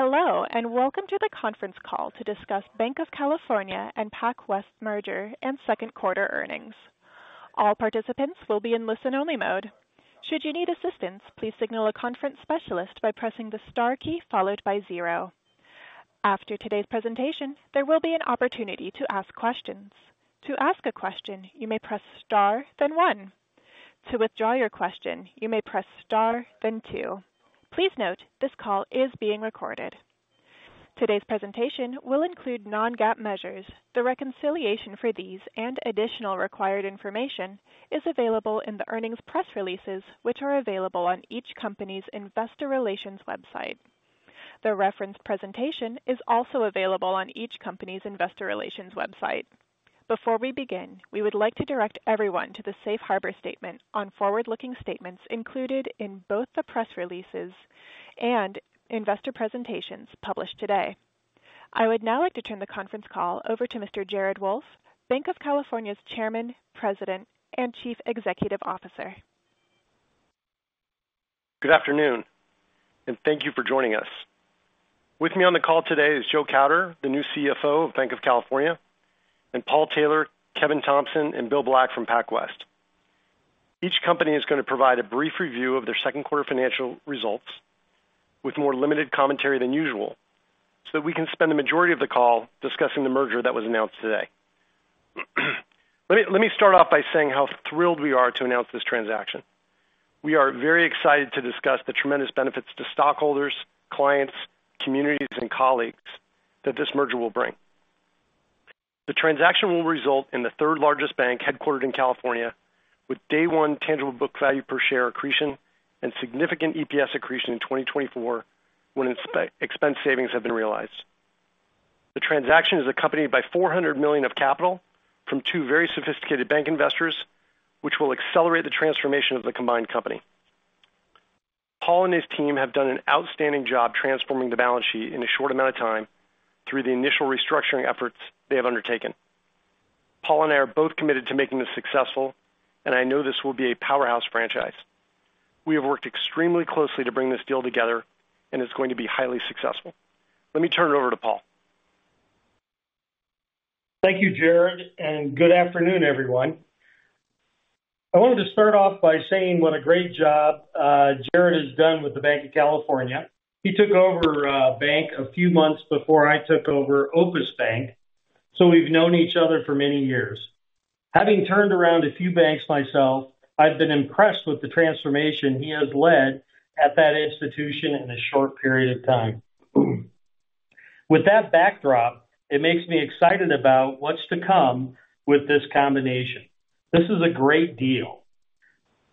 Hello, welcome to the conference call to discuss Banc of California and PacWest merger and second quarter earnings. All participants will be in listen-only mode. Should you need assistance, please signal a conference specialist by pressing the star key followed by zero. After today's presentation, there will be an opportunity to ask questions. To ask a question, you may press Star, then one. To withdraw your question, you may press Star, then two. Please note, this call is being recorded. Today's presentation will include non-GAAP measures. The reconciliation for these and additional required information is available in the earnings press releases, which are available on each company's investor relations website. The reference presentation is also available on each company's investor relations website. Before we begin, we would like to direct everyone to the safe harbor statement on forward-looking statements included in both the press releases and investor presentations published today. I would now like to turn the conference call over to Mr. Jared Wolff, Banc of California's Chairman, President, and Chief Executive Officer. Good afternoon, and thank you for joining us. With me on the call today is Joe Kauder, the new CFO of Banc of California, and Paul Taylor, Kevin Thompson, and Bill Black from PacWest. Each company is gonna provide a brief review of their second quarter financial results with more limited commentary than usual, so that we can spend the majority of the call discussing the merger that was announced today. Let me start off by saying how thrilled we are to announce this transaction. We are very excited to discuss the tremendous benefits to stockholders, clients, communities, and colleagues that this merger will bring. The transaction will result in the third-largest bank headquartered in California, with day one tangible book value per share accretion and significant EPS accretion in 2024, when its expense savings have been realized. The transaction is accompanied by $400 million of capital from two very sophisticated bank investors, which will accelerate the transformation of the combined company. Paul and his team have done an outstanding job transforming the balance sheet in a short amount of time through the initial restructuring efforts they have undertaken. Paul and I are both committed to making this successful, and I know this will be a powerhouse franchise. We have worked extremely closely to bring this deal together, and it's going to be highly successful. Let me turn it over to Paul. Thank you, Jared. Good afternoon, everyone. I wanted to start off by saying what a great job Jared has done with the Banc of California. He took over Bank a few months before I took over Opus Bank. We've known each other for many years. Having turned around a few banks myself, I've been impressed with the transformation he has led at that institution in a short period of time. With that backdrop, it makes me excited about what's to come with this combination. This is a great deal.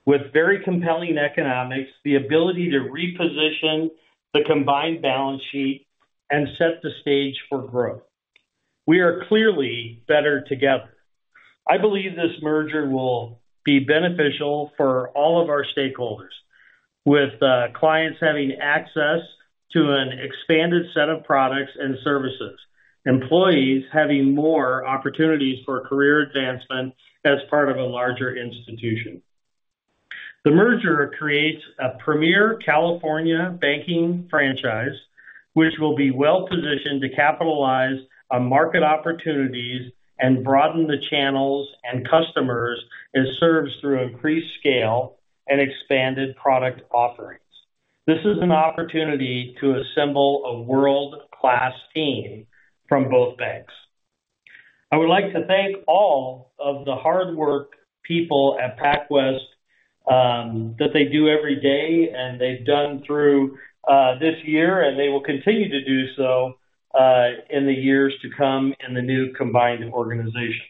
With very compelling economics, the ability to reposition the combined balance sheet and set the stage for growth. We are clearly better together. I believe this merger will be beneficial for all of our stakeholders, with clients having access to an expanded set of products and services, employees having more opportunities for career advancement as part of a larger institution. The merger creates a premier California banking franchise, which will be well-positioned to capitalize on market opportunities and broaden the channels and customers it serves through increased scale and expanded product offerings. This is an opportunity to assemble a world-class team from both banks. I would like to thank all of the hard-work people at PacWest, that they do every day, and they've done through this year, and they will continue to do so in the years to come in the new combined organization.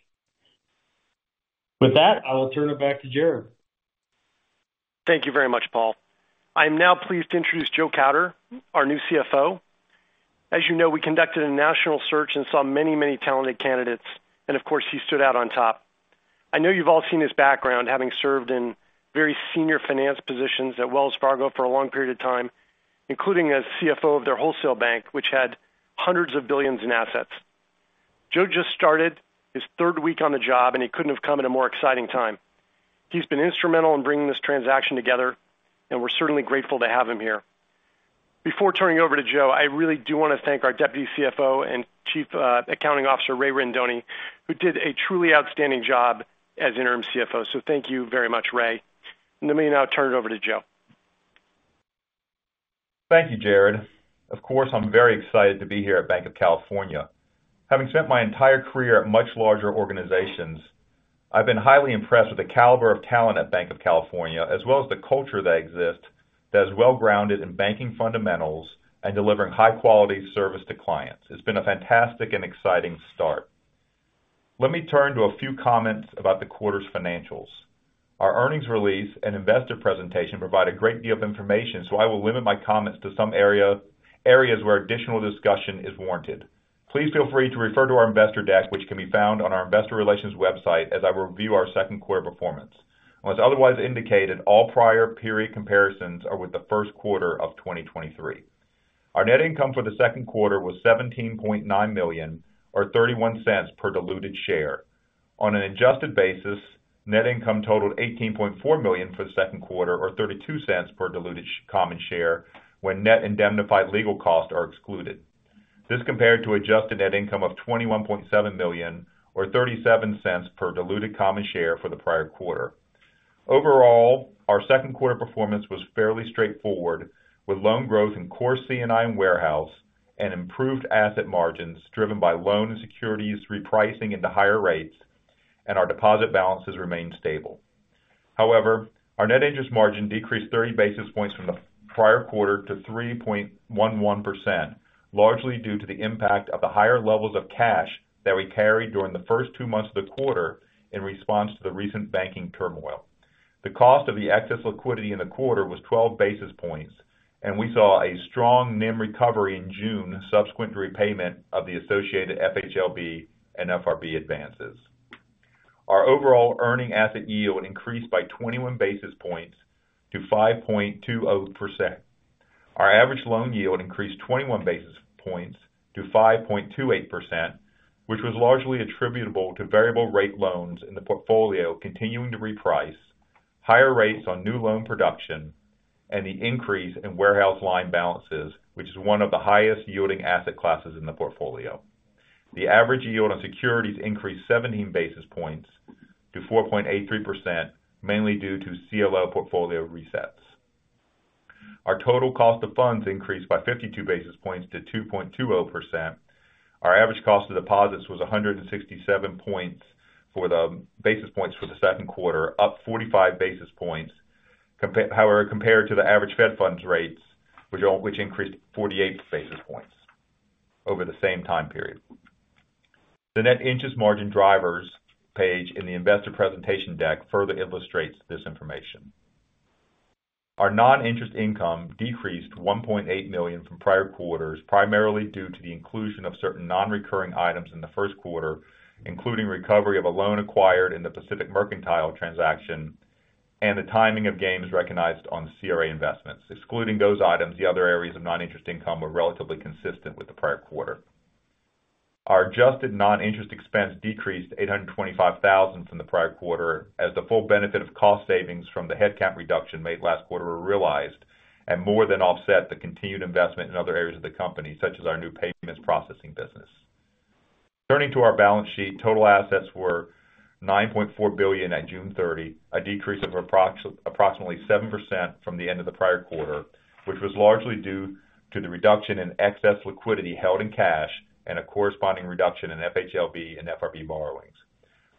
With that, I will turn it back to Jared. Thank you very much, Paul. I'm now pleased to introduce Joe Kauder, our new CFO. As you know, we conducted a national search and saw many, many talented candidates, and of course, he stood out on top. I know you've all seen his background, having served in very senior finance positions at Wells Fargo for a long period of time, including as CFO of their wholesale bank, which had hundreds of billions in assets. Joe just started his third week on the job, and he couldn't have come at a more exciting time. He's been instrumental in bringing this transaction together, and we're certainly grateful to have him here. Before turning it over to Joe, I really do want to thank our Deputy CFO and Chief Accounting Officer, Raymond Rindone, who did a truly outstanding job as Interim CFO. Thank you very much, Ray. Let me now turn it over to Joe. Thank you, Jared. Of course, I'm very excited to be here at Banc of California. Having spent my entire career at much larger organizations, I've been highly impressed with the caliber of talent at Banc of California, as well as the culture that exists that is well-grounded in banking fundamentals and delivering high-quality service to clients. It's been a fantastic and exciting start. Let me turn to a few comments about the quarter's financials. Our earnings release and investor presentation provide a great deal of information, so I will limit my comments to some areas where additional discussion is warranted. Please feel free to refer to our investor deck, which can be found on our investor relations website as I review our second quarter performance. Unless otherwise indicated, all prior period comparisons are with the first quarter of 2023. Our net income for the second quarter was $17.9 million, or 0.31 per diluted share. On an adjusted basis, net income totaled $18.4 million for the second quarter, or $0.32 per diluted common share, when net indemnified legal costs are excluded. This compared to adjusted net income of $21.7 million, or 0.37 per diluted common share for the prior quarter. Overall, our second quarter performance was fairly straightforward, with loan growth in core C&I and warehouse, and improved asset margins driven by loan and securities repricing into higher rates, and our deposit balances remained stable. However, our net interest margin decreased 30 basis points from the prior quarter to 3.11%, largely due to the impact of the higher levels of cash that we carried during the first two months of the quarter in response to the recent banking turmoil. The cost of the excess liquidity in the quarter was 12 basis points, and we saw a strong NIM recovery in June, subsequent to repayment of the associated FHLB and FRB advances. Our overall earning asset yield increased by 21 basis points to 5.20%. Our average loan yield increased 21 basis points to 5.28%, which was largely attributable to variable rate loans in the portfolio continuing to reprice, higher rates on new loan production, and the increase in warehouse line balances, which is one of the highest yielding asset classes in the portfolio. The average yield on securities increased 17 basis points to 4.83%, mainly due to CLO portfolio resets. Our total cost of funds increased by 52 basis points to 2.20%. Our average cost of deposits was 167 basis points for the second quarter, up 45 basis points. However, compared to the average Fed funds rates, which increased 48 basis points over the same time period. The net interest margin drivers page in the investor presentation deck further illustrates this information. Our non-interest income decreased to $1.8 million from prior quarters, primarily due to the inclusion of certain non-recurring items in the first quarter, including recovery of a loan acquired in the Pacific Mercantile transaction and the timing of gains recognized on the CRA investments. Excluding those items, the other areas of non-interest income were relatively consistent with the prior quarter. Our adjusted non-interest expense decreased to $825,000 from the prior quarter, as the full benefit of cost savings from the head count reduction made last quarter were realized and more than offset the continued investment in other areas of the company, such as our new payments processing business. Turning to our balance sheet, total assets were $9.4 billion at June 30, a decrease of approximately 7% from the end of the prior quarter, which was largely due to the reduction in excess liquidity held in cash and a corresponding reduction in FHLB and FRB borrowings.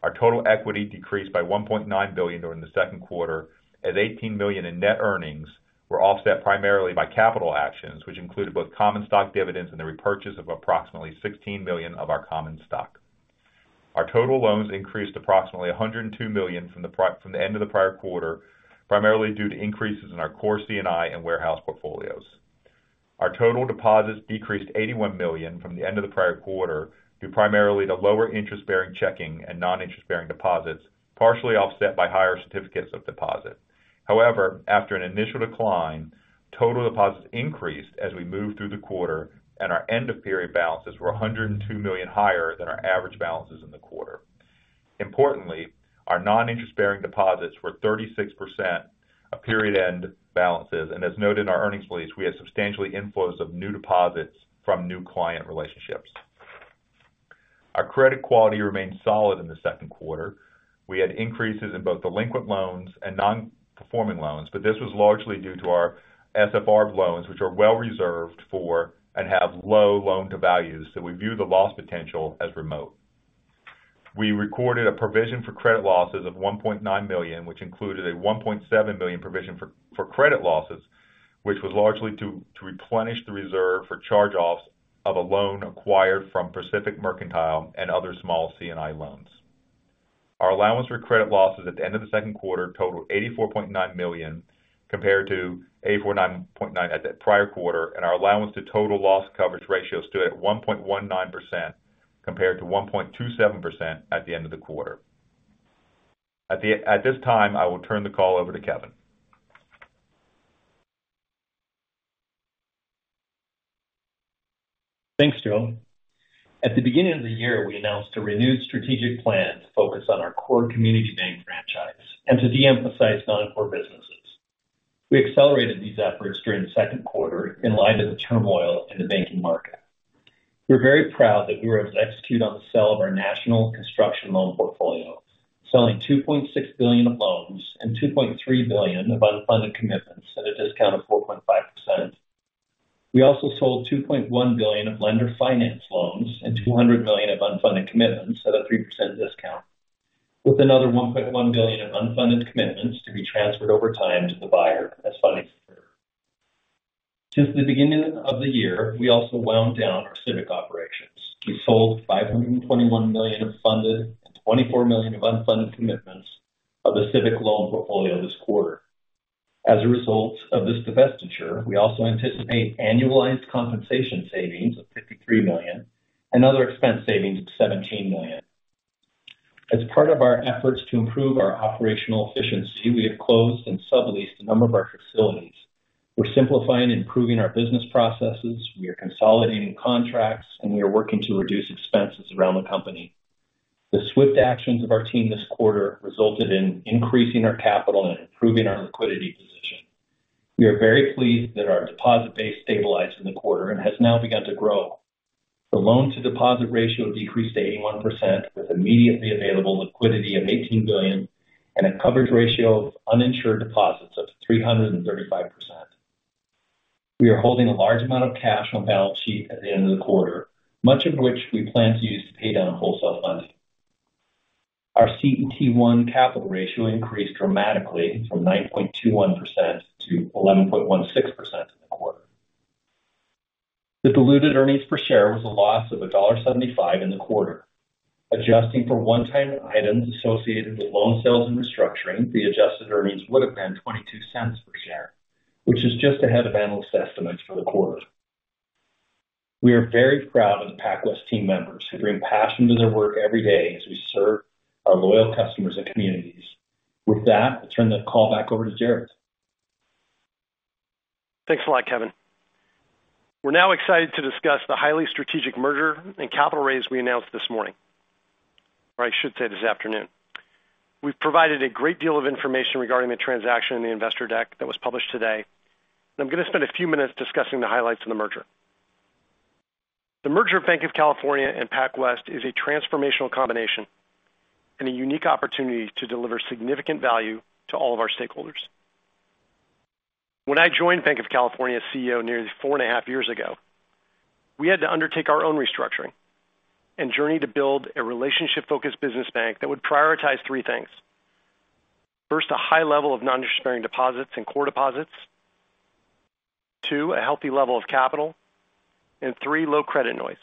Our total equity decreased by $1.9 billion during the second quarter, as $18 million in net earnings were offset primarily by capital actions, which included both common stock dividends and the repurchase of approximately $16 million of our common stock. Our total loans increased approximately $102 million from the end of the prior quarter, primarily due to increases in our core C&I and warehouse portfolios. Our total deposits decreased $81 million from the end of the prior quarter, due primarily to lower interest-bearing checking and non-interest-bearing deposits, partially offset by higher certificates of deposit. However, after an initial decline, total deposits increased as we moved through the quarter, and our end-of-period balances were $102 million higher than our average balances in the quarter. Importantly, our non-interest-bearing deposits were 36% of period-end balances. As noted in our earnings release, we had substantial inflows of new deposits from new client relationships. Our credit quality remained solid in the second quarter. We had increases in both delinquent loans and non-performing loans. This was largely due to our SFR loans, which are well reserved for and have low loan to values. We view the loss potential as remote. We recorded a provision for credit losses of $1.9 million, which included a 1.7 million provision for credit losses, which was largely to replenish the reserve for charge-offs of a loan acquired from Pacific Mercantile and other small C&I loans. Our allowance for credit losses at the end of the second quarter totaled $84.9 million, compared to 84.9 million at the prior quarter, and our allowance to total loss coverage ratio stood at 1.19%, compared to 1.27% at the end of the quarter. At this time, I will turn the call over to Kevin. Thanks, Joe Kauder. At the beginning of the year, we announced a renewed strategic plan to focus on our core community bank franchise and to de-emphasize non-core businesses. We accelerated these efforts during the second quarter in light of the turmoil in the banking market. We're very proud that we were able to execute on the sale of our national construction loan portfolio, selling $2.6 billion of loans and 2.3 billion of unfunded commitments at a discount of 4.5%. We also sold $2.1 billion of lender finance loans and 200 million of unfunded commitments at a 3% discount, with another $1.1 billion of unfunded commitments to be transferred over time to the buyer as funding. Since the beginning of the year, we also wound down our Civic operations. We sold $521 million of funded and 24 million of unfunded commitments of the Civic loan portfolio this quarter. As a result of this divestiture, we also anticipate annualized compensation savings of $53 million and other expense savings of 17 million. As part of our efforts to improve our operational efficiency, we have closed and subleased a number of our facilities. We're simplifying and improving our business processes, we are consolidating contracts, and we are working to reduce expenses around the company. The swift actions of our team this quarter resulted in increasing our capital and improving our liquidity position. We are very pleased that our deposit base stabilized in the quarter and has now begun to grow. The loan-to-deposit ratio decreased to 81%, with immediately available liquidity of $18 billion, and a coverage ratio of uninsured deposits of 335%. We are holding a large amount of cash on the balance sheet at the end of the quarter, much of which we plan to use to pay down wholesale funding. Our CET1 capital ratio increased dramatically from 9.21% to 11.16% in the quarter. The diluted earnings per share was a loss of $1.75 in the quarter. Adjusting for one-time items associated with loan sales and restructuring, the adjusted earnings would have been $0.22 per share, which is just ahead of analyst estimates for the quarter. We are very proud of the PacWest team members who bring passion to their work every day as we serve our loyal customers and communities. With that, I'll turn the call back over to Jared. Thanks a lot, Kevin. We're now excited to discuss the highly strategic merger and capital raise we announced this morning, or I should say, this afternoon. We've provided a great deal of information regarding the transaction in the investor deck that was published today. I'm going to spend a few minutes discussing the highlights of the merger. The merger of Banc of California and PacWest is a transformational combination and a unique opportunity to deliver significant value to all of our stakeholders. When I joined Banc of California as CEO nearly four and a half years ago, we had to undertake our own restructuring and journey to build a relationship-focused business bank that would prioritize three things. First, a high level of non-interest-bearing deposits and core deposits. Two, a healthy level of capital, and three, low credit noise.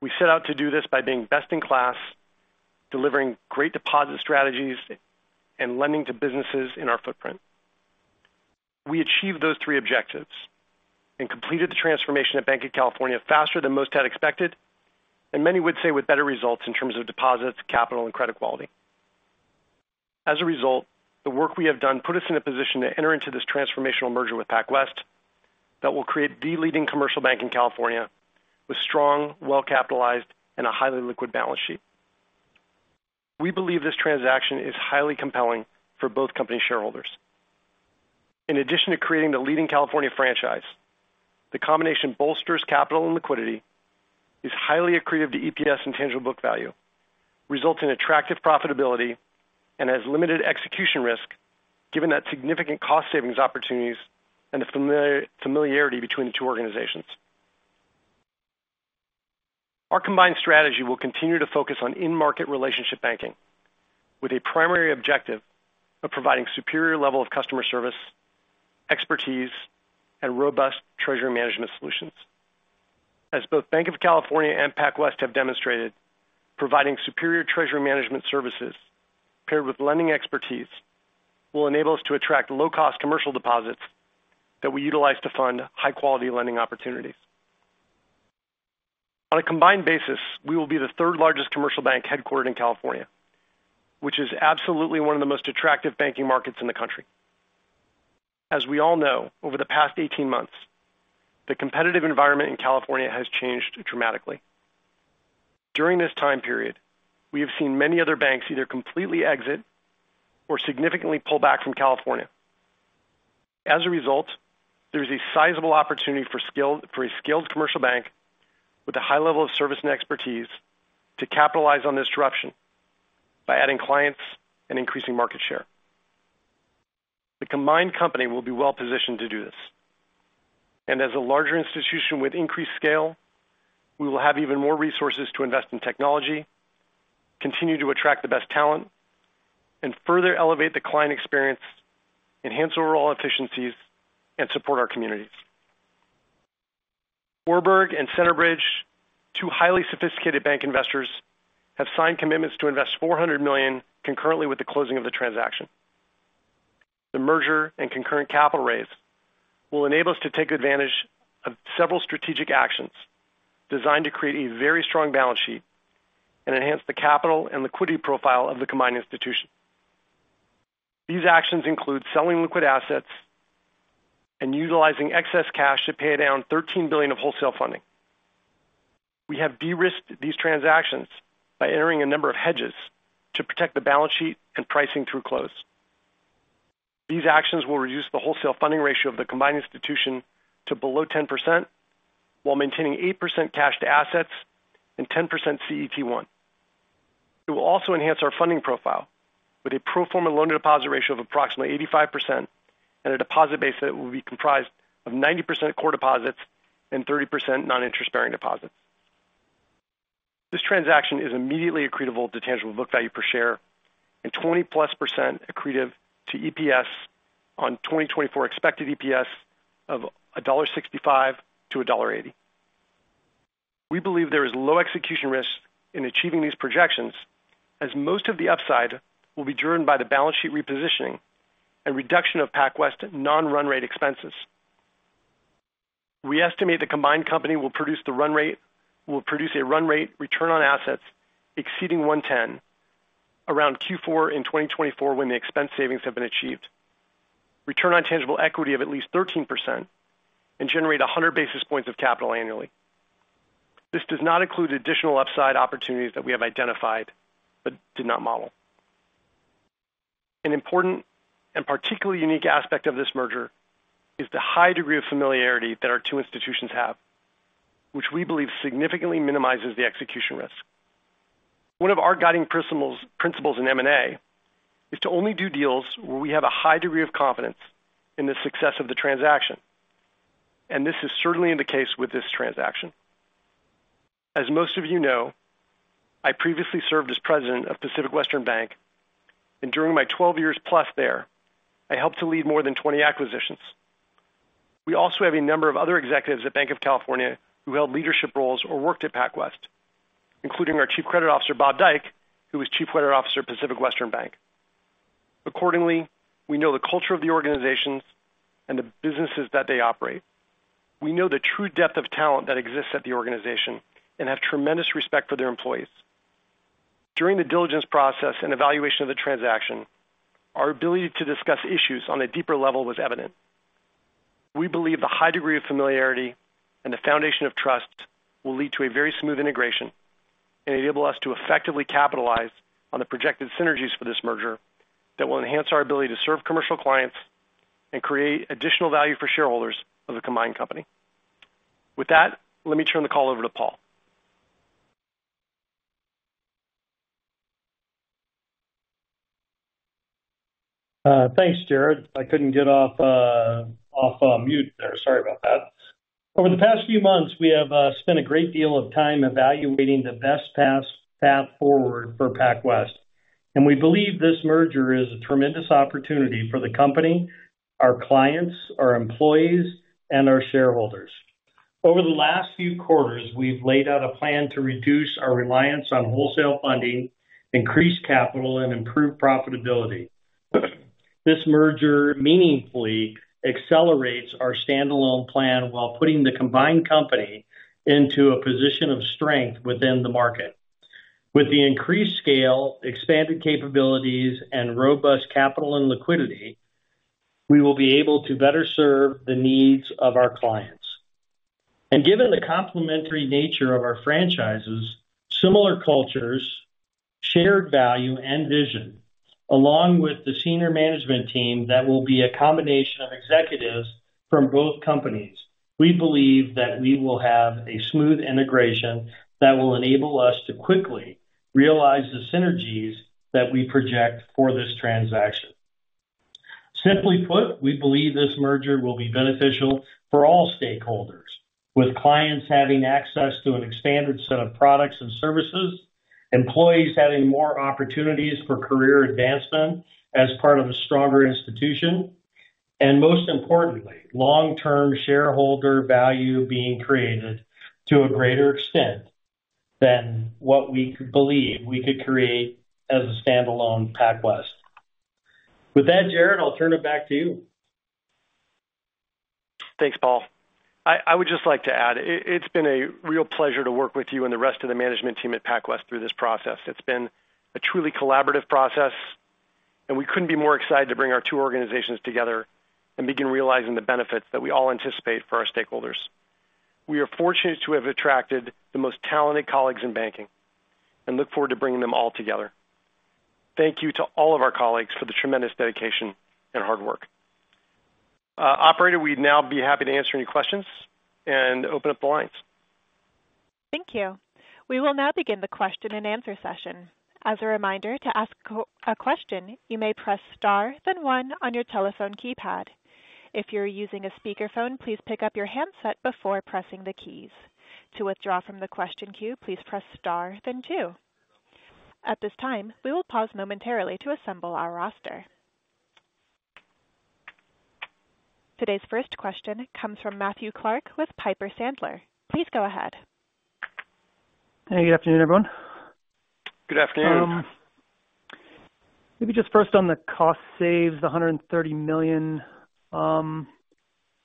We set out to do this by being best in class, delivering great deposit strategies and lending to businesses in our footprint. We achieved those three objectives and completed the transformation at Banc of California faster than most had expected, and many would say with better results in terms of deposits, capital, and credit quality. As a result, the work we have done put us in a position to enter into this transformational merger with PacWest that will create the leading commercial bank in California with strong, well-capitalized, and a highly liquid balance sheet. We believe this transaction is highly compelling for both company shareholders. In addition to creating the leading California franchise, the combination bolsters capital and liquidity, is highly accretive to EPS and tangible book value, results in attractive profitability, and has limited execution risk, given that significant cost savings opportunities and the familiarity between the two organizations. Our combined strategy will continue to focus on in-market relationship banking, with a primary objective of providing superior level of customer service, expertise, and robust treasury management solutions. As both Banc of California and PacWest have demonstrated, providing superior treasury management services paired with lending expertise will enable us to attract low-cost commercial deposits that we utilize to fund high-quality lending opportunities. On a combined basis, we will be the third-largest commercial bank headquartered in California, which is absolutely one of the most attractive banking markets in the country. As we all know, over the past 18 months, the competitive environment in California has changed dramatically. During this time period, we have seen many other banks either completely exit or significantly pull back from California. As a result, there is a sizable opportunity for a skilled commercial bank with a high level of service and expertise to capitalize on this disruption by adding clients and increasing market share. The combined company will be well positioned to do this, and as a larger institution with increased scale, we will have even more resources to invest in technology, continue to attract the best talent, and further elevate the client experience, enhance overall efficiencies, support our communities. Warburg and Centerbridge, two highly sophisticated bank investors, have signed commitments to invest $400 million concurrently with the closing of the transaction. The merger and concurrent capital raise will enable us to take advantage of several strategic actions designed to create a very strong balance sheet and enhance the capital and liquidity profile of the combined institution. These actions include selling liquid assets and utilizing excess cash to pay down $13 billion of wholesale funding. We have de-risked these transactions by entering a number of hedges to protect the balance sheet and pricing through close. These actions will reduce the wholesale funding ratio of the combined institution to below 10%, while maintaining 8% cash to assets and 10% CET1. It will also enhance our funding profile with a pro forma loan-to-deposit ratio of approximately 85% and a deposit base that will be comprised of 90% core deposits and 30% non-interest-bearing deposits. This transaction is immediately accretive to tangible book value per share and 20+% accretive to EPS on 2024 expected EPS of $1.65 to 1.80. We believe there is low execution risk in achieving these projections, as most of the upside will be driven by the balance sheet repositioning and reduction of PacWest non-run rate expenses. We estimate the combined company will produce a run rate return on assets exceeding 1.10% around Q4 in 2024 when the expense savings have been achieved. Return on tangible equity of at least 13% and generate 100 basis points of capital annually. This does not include additional upside opportunities that we have identified but did not model. An important and particularly unique aspect of this merger is the high degree of familiarity that our two institutions have, which we believe significantly minimizes the execution risk. One of our guiding principles in M&A is to only do deals where we have a high degree of confidence in the success of the transaction. This is certainly in the case with this transaction. As most of you know, I previously served as president of Pacific Western Bank, during my 12 years plus there, I helped to lead more than 20 acquisitions. We also have a number of other executives at Banc of California who held leadership roles or worked at PacWest, including our Chief Credit Officer, Bob Dyck, who was Chief Credit Officer at Pacific Western Bank. Accordingly, we know the culture of the organizations and the businesses that they operate. We know the true depth of talent that exists at the organization and have tremendous respect for their employees. During the diligence process and evaluation of the transaction, our ability to discuss issues on a deeper level was evident. We believe the high degree of familiarity and the foundation of trust will lead to a very smooth integration and enable us to effectively capitalize on the projected synergies for this merger that will enhance our ability to serve commercial clients and create additional value for shareholders of the combined company. With that, let me turn the call over to Paul. Thanks, Jared. I couldn't get off mute there. Sorry about that. Over the past few months, we have spent a great deal of time evaluating the best path forward for PacWest. We believe this merger is a tremendous opportunity for the company, our clients, our employees, and our shareholders. Over the last few quarters, we've laid out a plan to reduce our reliance on wholesale funding, increase capital, and improve profitability. This merger meaningfully accelerates our standalone plan while putting the combined company into a position of strength within the market. With the increased scale, expanded capabilities, and robust capital and liquidity, we will be able to better serve the needs of our clients. Given the complementary nature of our franchises, similar cultures, shared value and vision, along with the senior management team, that will be a combination of executives from both companies. We believe that we will have a smooth integration that will enable us to quickly realize the synergies that we project for this transaction. Simply put, we believe this merger will be beneficial for all stakeholders, with clients having access to an expanded set of products and services, employees having more opportunities for career advancement as part of a stronger institution, and most importantly, long-term shareholder value being created to a greater extent than what we could believe we could create as a stand-alone PacWest. With that, Jared, I'll turn it back to you. Thanks, Paul. I would just like to add, it's been a real pleasure to work with you and the rest of the management team at PacWest through this process. It's been a truly collaborative process, and we couldn't be more excited to bring our two organizations together and begin realizing the benefits that we all anticipate for our stakeholders. We are fortunate to have attracted the most talented colleagues in banking and look forward to bringing them all together. Thank you to all of our colleagues for the tremendous dedication and hard work. Operator, we'd now be happy to answer any questions and open up the lines. Thank you. We will now begin the question-and-answer session. As a reminder, to ask a question, you may press star, then one on your telephone keypad. If you're using a speakerphone, please pick up your handset before pressing the keys. To withdraw from the question queue, please press star, then two. At this time, we will pause momentarily to assemble our roster. Today's first question comes from Matthew Clark with Piper Sandler. Please go ahead. Hey, good afternoon, everyone. Good afternoon. Maybe just first on the cost saves, the $130 million.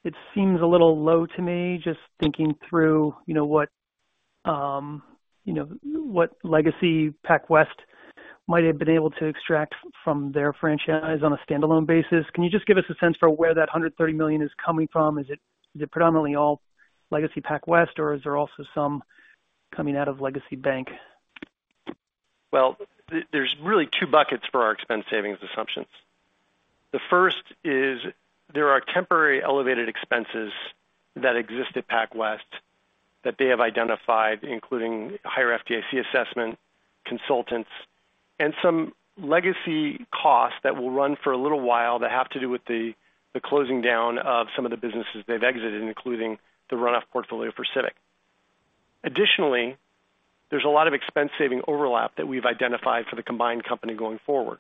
It seems a little low to me, just thinking through, you know, what, you know, what legacy PacWest might have been able to extract from their franchise on a standalone basis. Can you just give us a sense for where that $130 million is coming from? Is it predominantly all legacy PacWest, or is there also some coming out of legacy bank? Well, there's really two buckets for our expense savings assumptions. The first is there are temporary elevated expenses that exist at PacWest that they have identified, including higher FDIC assessment, consultants, and some legacy costs that will run for a little while, that have to do with the closing down of some of the businesses they've exited, including the run-off portfolio for Civic. Additionally, there's a lot of expense-saving overlap that we've identified for the combined company going forward.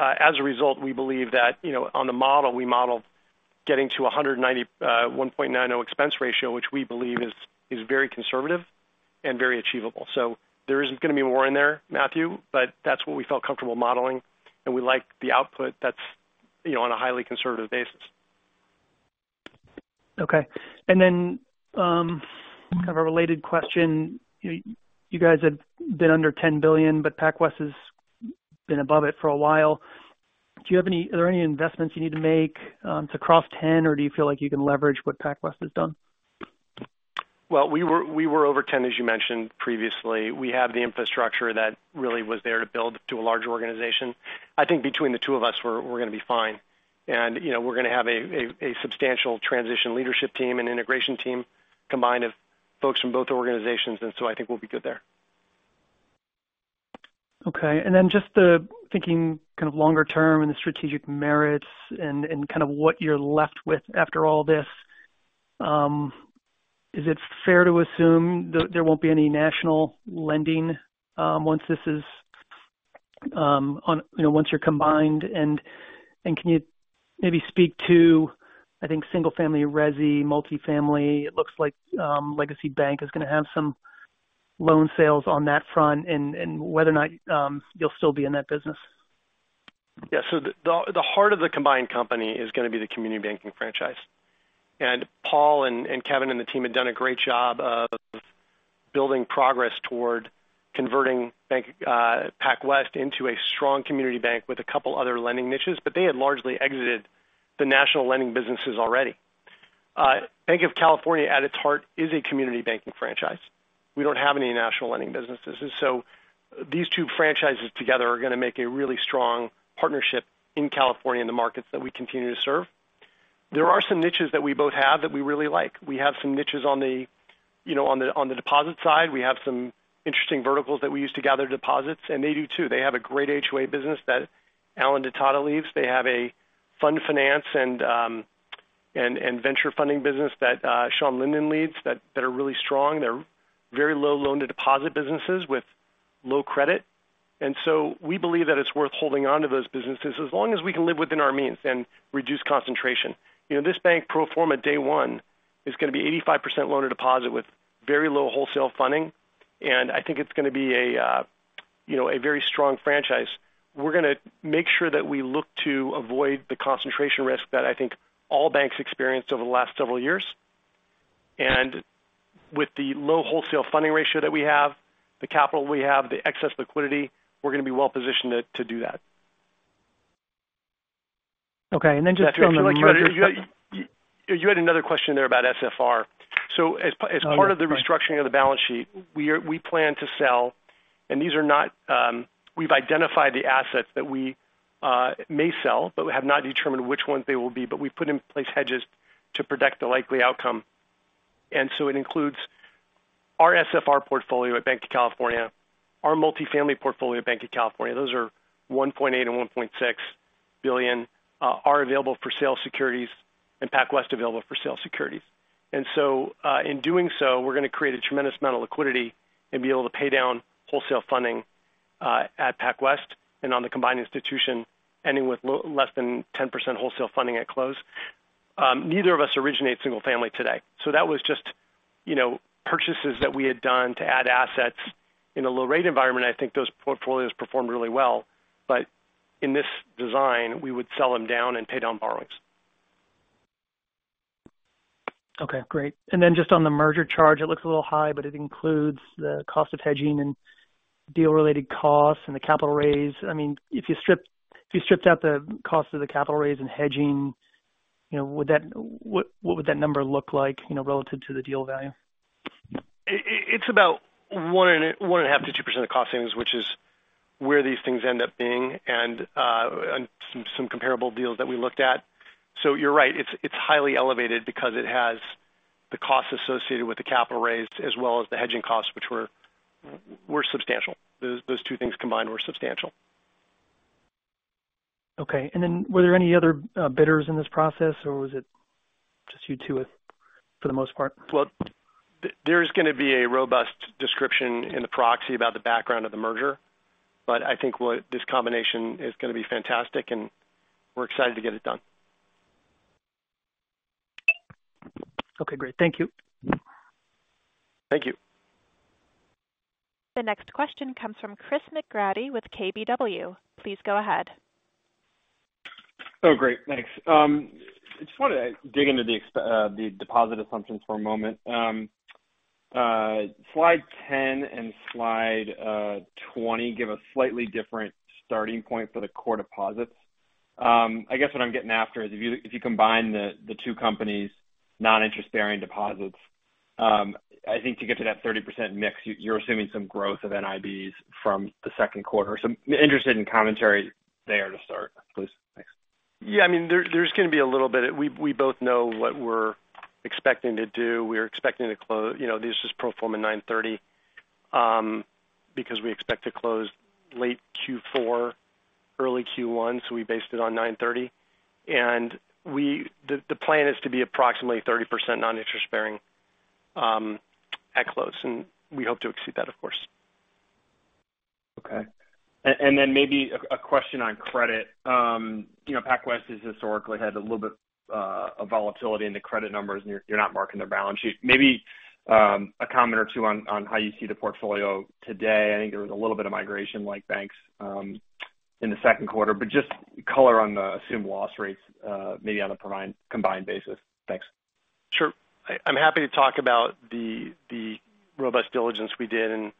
As a result, we believe that, you know, on the model, we model getting to a 190, 1.90 expense ratio, which we believe is very conservative and very achievable. There isn't going to be more in there, Matthew, but that's what we felt comfortable modeling, and we like the output that's, you know, on a highly conservative basis. Okay. kind of a related question. You guys have been under $10 billion, but PacWest has been above it for a while. Are there any investments you need to make to cross 10, or do you feel like you can leverage what PacWest has done? Well, we were over $10 billion, as you mentioned previously. We have the infrastructure that really was there to build to a larger organization. I think between the two of us, we're going to be fine. You know, we're going to have a substantial transition leadership team and integration team combined of folks from both organizations, and so I think we'll be good there. Okay, just the thinking kind of longer term and the strategic merits and kind of what you're left with after all this. Is it fair to assume that there won't be any national lending, once this is, you know, once you're combined? Can you maybe speak to, I think, single-family resi, multifamily, it looks like, Legacy Bank is going to have some loan sales on that front and whether or not, you'll still be in that business. Yeah. The heart of the combined company is going to be the community banking franchise. Paul and Kevin and the team have done a great job of building progress toward converting PacWest into a strong community bank with a couple other lending niches, but they had largely exited the national lending businesses already. Banc of California, at its heart, is a community banking franchise. We don't have any national lending businesses. These two franchises together are going to make a really strong partnership in California, in the markets that we continue to serve. There are some niches that we both have that we really like. We have some niches on the, you know, on the deposit side. We have some interesting verticals that we use to gather deposits, and they do, too. They have a great HOA business that Alan DeTata leads. They have a fund finance and venture funding business that Sean Lynden leads, that are really strong. They're very low loan-to-deposit businesses with low credit. We believe that it's worth holding on to those businesses as long as we can live within our means and reduce concentration. You know, this bank, pro forma day one, is going to be 85% loan-to-deposit with very low wholesale funding, and I think it's going to be a, you know, a very strong franchise. We're going to make sure that we look to avoid the concentration risk that I think all banks experienced over the last several years. With the low wholesale funding ratio that we have, the capital we have, the excess liquidity, we're going to be well positioned to do that. Okay. And then just on the merger You had another question there about SFR. As part of the restructuring of the balance sheet, we plan to sell. These are not, we've identified the assets that we may sell, but we have not determined which ones they will be, but we've put in place hedges to protect the likely outcome. It includes our SFR portfolio at Banc of California, our multifamily portfolio at Banc of California. Those are $1.8 billion and 1.6 billion, are available for sale securities and PacWest available for sale securities. In doing so, we're going to create a tremendous amount of liquidity and be able to pay down wholesale funding at PacWest and on the combined institution, ending with less than 10% wholesale funding at close. Neither of us originate single family today, so that was just, you know, purchases that we had done to add assets in a low-rate environment. I think those portfolios performed really well, but in this design, we would sell them down and pay down borrowings. Okay, great. Then just on the merger charge, it looks a little high, but it includes the cost of hedging and deal-related costs and the capital raise. I mean, if you stripped out the cost of the capital raise and hedging, you know, what would that number look like, you know, relative to the deal value? It's about 1.5%-2% of the cost savings, which is where these things end up being and some comparable deals that we looked at. You're right, it's highly elevated because it has the costs associated with the capital raise as well as the hedging costs, which were substantial. Those two things combined were substantial. Okay. Were there any other, bidders in this process, or was it just you two with for the most part? Well, there's going to be a robust description in the proxy about the background of the merger. I think this combination is going to be fantastic, and we're excited to get it done. Okay, great. Thank you. Thank you. The next question comes from Chris McGratty with KBW. Please go ahead. Great. Thanks. I just want to dig into the deposit assumptions for a moment. Slide 10 and slide 20 give a slightly different starting point for the core deposits. I guess what I'm getting after is if you combine the two companies' non-interest-bearing deposits, I think to get to that 30% mix, you're assuming some growth of NIBs from the second quarter. I'm interested in commentary there to start, please. Thanks. Yeah, I mean, there's going to be a little bit. We both know what we're expecting to do. We're expecting to clo-, you know, this is pro forma 9/30, because we expect to close late Q4, early Q1, so we based it on 9/30. The plan is to be approximately 30% non-interest-bearing at close, and we hope to exceed that, of course. Okay. Then maybe a question on credit. You know, PacWest has historically had a little bit of volatility in the credit numbers, and you're not marking their balance sheet. Maybe a comment or two on how you see the portfolio today. I think there was a little bit of migration like banks in the second quarter, but just color on the assumed loss rates, maybe on a combined basis. Thanks. Sure. I'm happy to talk about the robust diligence we did and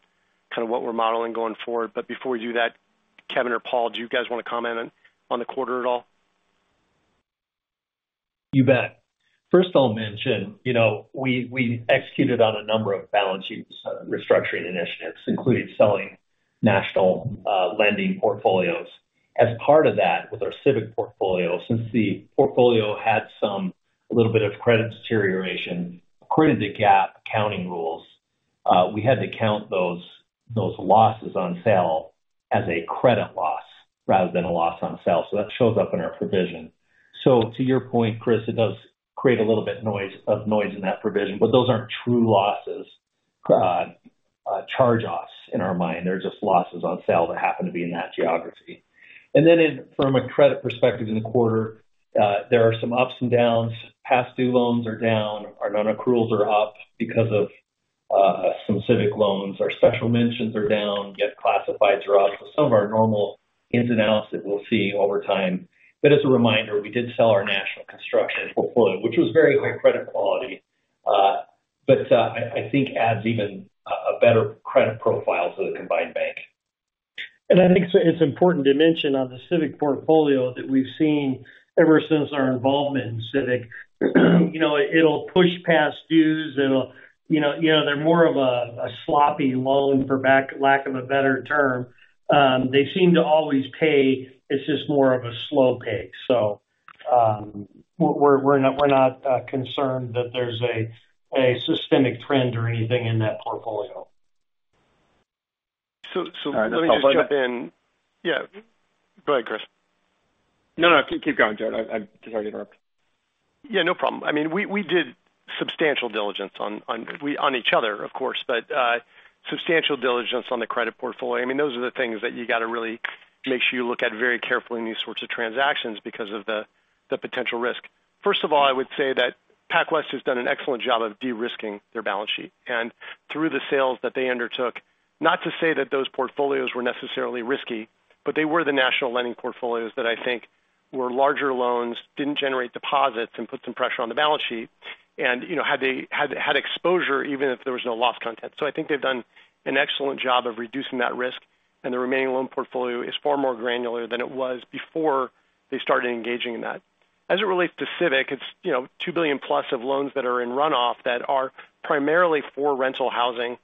kind of what we're modeling going forward. Before we do that, Kevin or Paul, do you guys want to comment on the quarter at all? You bet. First, I'll mention, you know, we executed on a number of balance sheet restructuring initiatives, including selling national lending portfolios. As part of that, with our Civic portfolio, since the portfolio had some, a little bit of credit deterioration, according to GAAP accounting rules, we had to count those losses on sale as a credit loss rather than a loss on sale. To your point, Chris, it does create a little bit of noise in that provision, but those aren't true losses, charge-offs in our mind. They're just losses on sale that happen to be in that geography. Then from a credit perspective, in the quarter, there are some ups and downs. Past due loans are down, our non-accruals are up because of some Civic loans. Our special mentions are down, yet classified are up. Some of our normal ins and outs that we'll see over time. As a reminder, we did sell our national construction portfolio, which was very high credit quality, but, I think adds even a better credit profile to the combined bank. I think it's important to mention on the Civic portfolio that we've seen ever since our involvement in Civic, you know, it'll push past dues. It'll, you know, they're more of a sloppy loan, for lack of a better term. They seem to always pay. It's just more of a slow pay. We're not concerned that there's a systemic trend or anything in that portfolio. Let me just jump in. All right. Yeah. Go ahead, Chris. No, no, keep going, Joe. I'm sorry to interrupt. Yeah, no problem. I mean, we did substantial diligence on each other, of course, but substantial diligence on the credit portfolio. I mean, those are the things that you got to really make sure you look at very carefully in these sorts of transactions because of the potential risk. First of all, I would say that PacWest has done an excellent job of de-risking their balance sheet and through the sales that they undertook. Not to say that those portfolios were necessarily risky, but they were the national lending portfolios that I think were larger loans, didn't generate deposits and put some pressure on the balance sheet. You know, had exposure even if there was no loss content. I think they've done an excellent job of reducing that risk, and the remaining loan portfolio is far more granular than it was before they started engaging in that. As it relates to Civic, it's, you know, $2 billion plus of loans that are in runoff that are primarily for rental housing.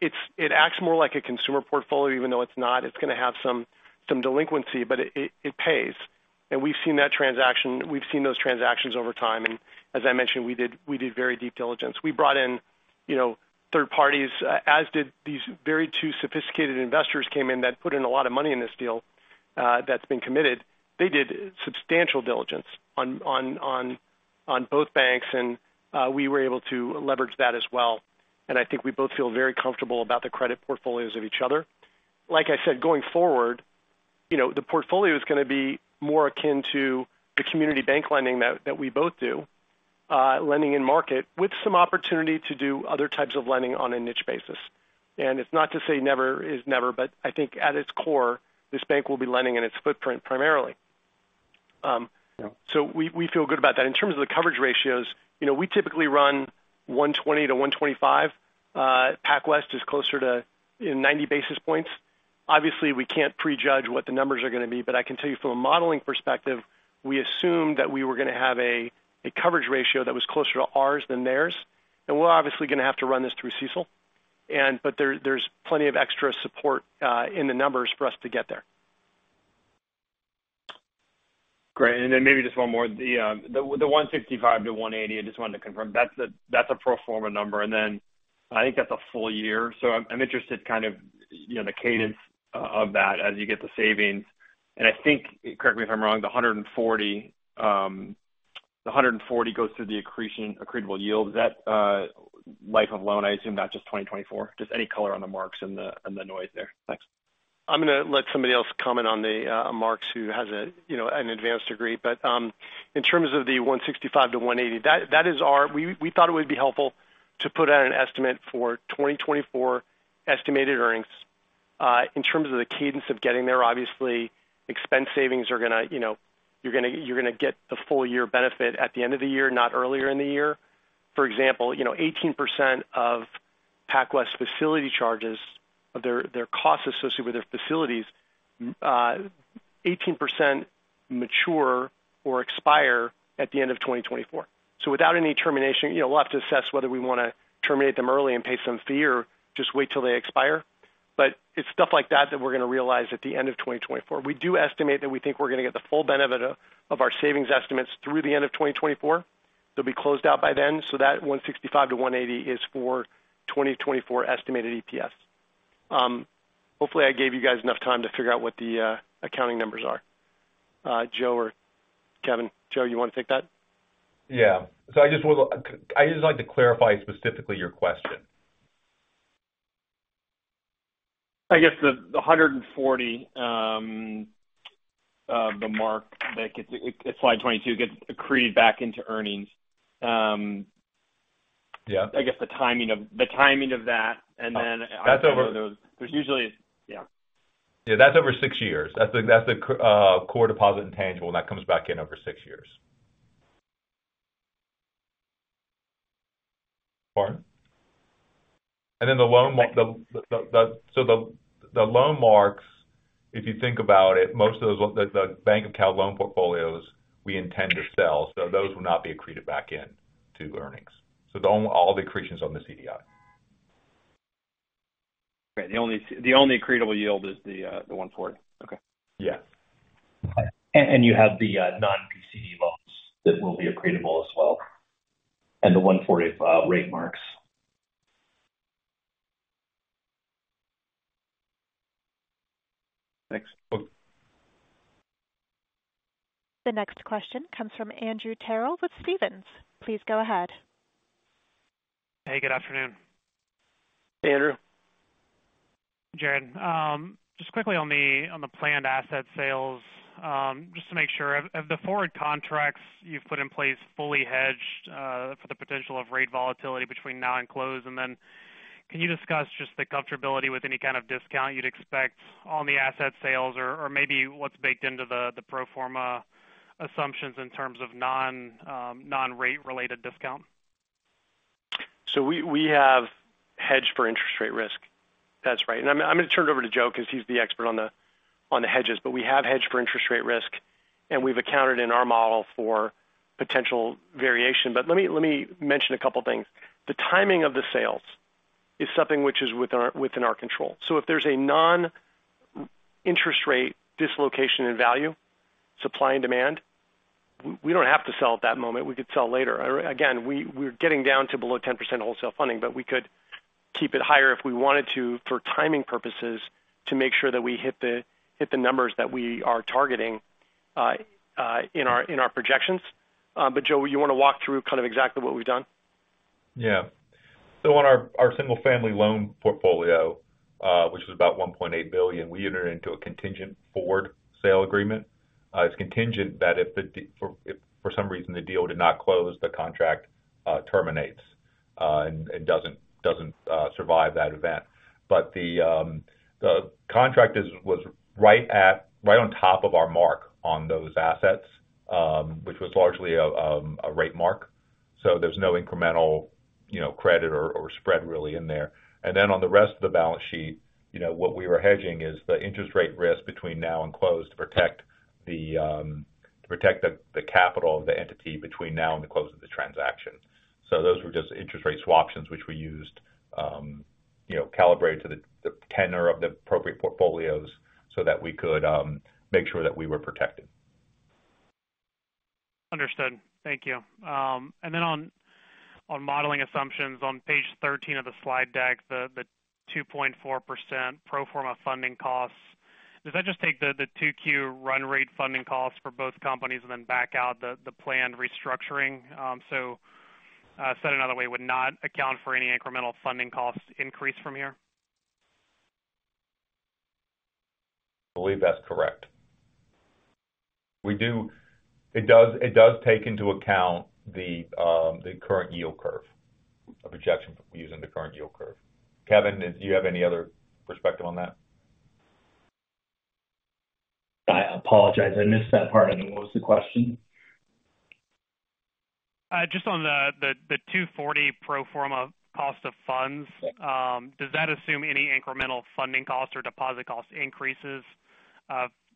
It acts more like a consumer portfolio, even though it's not. It's going to have some delinquency, but it, it pays. We've seen those transactions over time, and as I mentioned, we did very deep diligence. We brought in, you know, third parties, as did these 2 sophisticated investors came in that put in a lot of money in this deal that's been committed. They did substantial diligence on both banks, and we were able to leverage that as well. I think we both feel very comfortable about the credit portfolios of each other. Like I said, going forward, you know, the portfolio is gonna be more akin to the community bank lending that we both do, lending in market, with some opportunity to do other types of lending on a niche basis. It's not to say never is never, but I think at its core, this bank will be lending in its footprint primarily. We feel good about that. In terms of the coverage ratios, you know, we typically run 120-125. PacWest is closer to, you know, 90 basis points. Obviously, we can't prejudge what the numbers are gonna be, but I can tell you from a modeling perspective, we assumed that we were gonna have a coverage ratio that was closer to ours than theirs. We're obviously gonna have to run this through CECL. There's plenty of extra support in the numbers for us to get there. Great. Maybe just one more. The $165-180, I just wanted to confirm. That's a pro forma number, and then I think that's a full year. I'm interested kind of, you know, the cadence of that as you get the savings. I think, correct me if I'm wrong, the $140 million goes through the accretion-, accretable yield. Is that life of loan, I assume, not just 2024? Just any color on the marks and the, and the noise there. Thanks. I'm gonna let somebody else comment on the marks who has a, you know, an advanced degree. In terms of the $165-180, We thought it would be helpful to put out an estimate for 2024 estimated earnings. In terms of the cadence of getting there, obviously, expense savings are gonna, you know, you're gonna get the full year benefit at the end of the year, not earlier in the year. For example, you know, 18% of PacWest's facility charges, their costs associated with their facilities, 18% mature or expire at the end of 2024. Without any termination, you know, we'll have to assess whether we wanna terminate them early and pay some fee or just wait till they expire. It's stuff like that we're gonna realize at the end of 2024. We do estimate that we think we're gonna get the full benefit of our savings estimates through the end of 2024. They'll be closed out by then, that $1.65-1.80 is for 2024 estimated EPS. Hopefully, I gave you guys enough time to figure out what the accounting numbers are. Joe or Kevin. Joe, you want to take that? Yeah. I'd just like to clarify specifically your question. I guess the 140, the mark that gets slide 22, gets accreted back into earnings. Yeah. I guess the timing of that, and then- That's over- There's usually, yeah. Yeah, that's over six years. That's the core deposit intangible, that comes back in over six years. Pardon? The loan marks, if you think about it, most of those, the Bank of Cal loan portfolios we intend to sell, those will not be accreted back in to earnings. All the accretion is on the CDI. Okay. The only accretable yield is the one forward. Okay. Yeah. You have the non-PCD loans that will be accretable as well, and the 140 rate marks. Thanks. The next question comes from Andrew Terrell with Stephens. Please go ahead. Hey, good afternoon. Hey, Andrew. Jared, just quickly on the, on the planned asset sales. Just to make sure, have the forward contracts you've put in place fully hedged for the potential of rate volatility between now and close? Can you discuss just the comfortability with any kind of discount you'd expect on the asset sales or maybe what's baked into the pro forma assumptions in terms of non-rate related discount? We have hedged for interest rate risk. That's right. I'm going to turn it over to Joe, because he's the expert on the, on the hedges, but we have hedged for interest rate risk, and we've accounted in our model for potential variation. Let me mention a couple things. The timing of the sales is something which is within our control. If there's a non-interest rate dislocation in value, supply and demand, we don't have to sell at that moment. We could sell later. Again, we're getting down to below 10% wholesale funding, but we could keep it higher if we wanted to, for timing purposes, to make sure that we hit the numbers that we are targeting in our, in our projections. Joe, you want to walk through kind of exactly what we've done? Yeah. On our single-family loan portfolio, which is about $1.8 billion, we entered into a contingent forward sale agreement. It's contingent that if for some reason, the deal did not close, the contract terminates and doesn't survive that event. The contract is, was right on top of our mark on those assets, which was largely a rate mark. There's no incremental, you know, credit or spread really in there. On the rest of the balance sheet, you know, what we were hedging is the interest rate risk between now and close to protect the capital of the entity between now and the close of the transaction. Those were just interest rate swaptions, which we used, you know, calibrated to the tenor of the appropriate portfolios so that we could make sure that we were protected. Understood. Thank you. On, on modeling assumptions, on page 13 of the slide deck, the 2.4% pro forma funding costs, does that just take the 2Q run rate funding costs for both companies and then back out the planned restructuring? Said another way, would not account for any incremental funding costs increase from here? I believe that's correct. It does take into account the current yield curve of projection using the current yield curve. Kevin, do you have any other perspective on that? I apologize. I missed that part. I didn't know what was the question? Just on the 240 pro forma cost of funds, does that assume any incremental funding costs or deposit cost increases,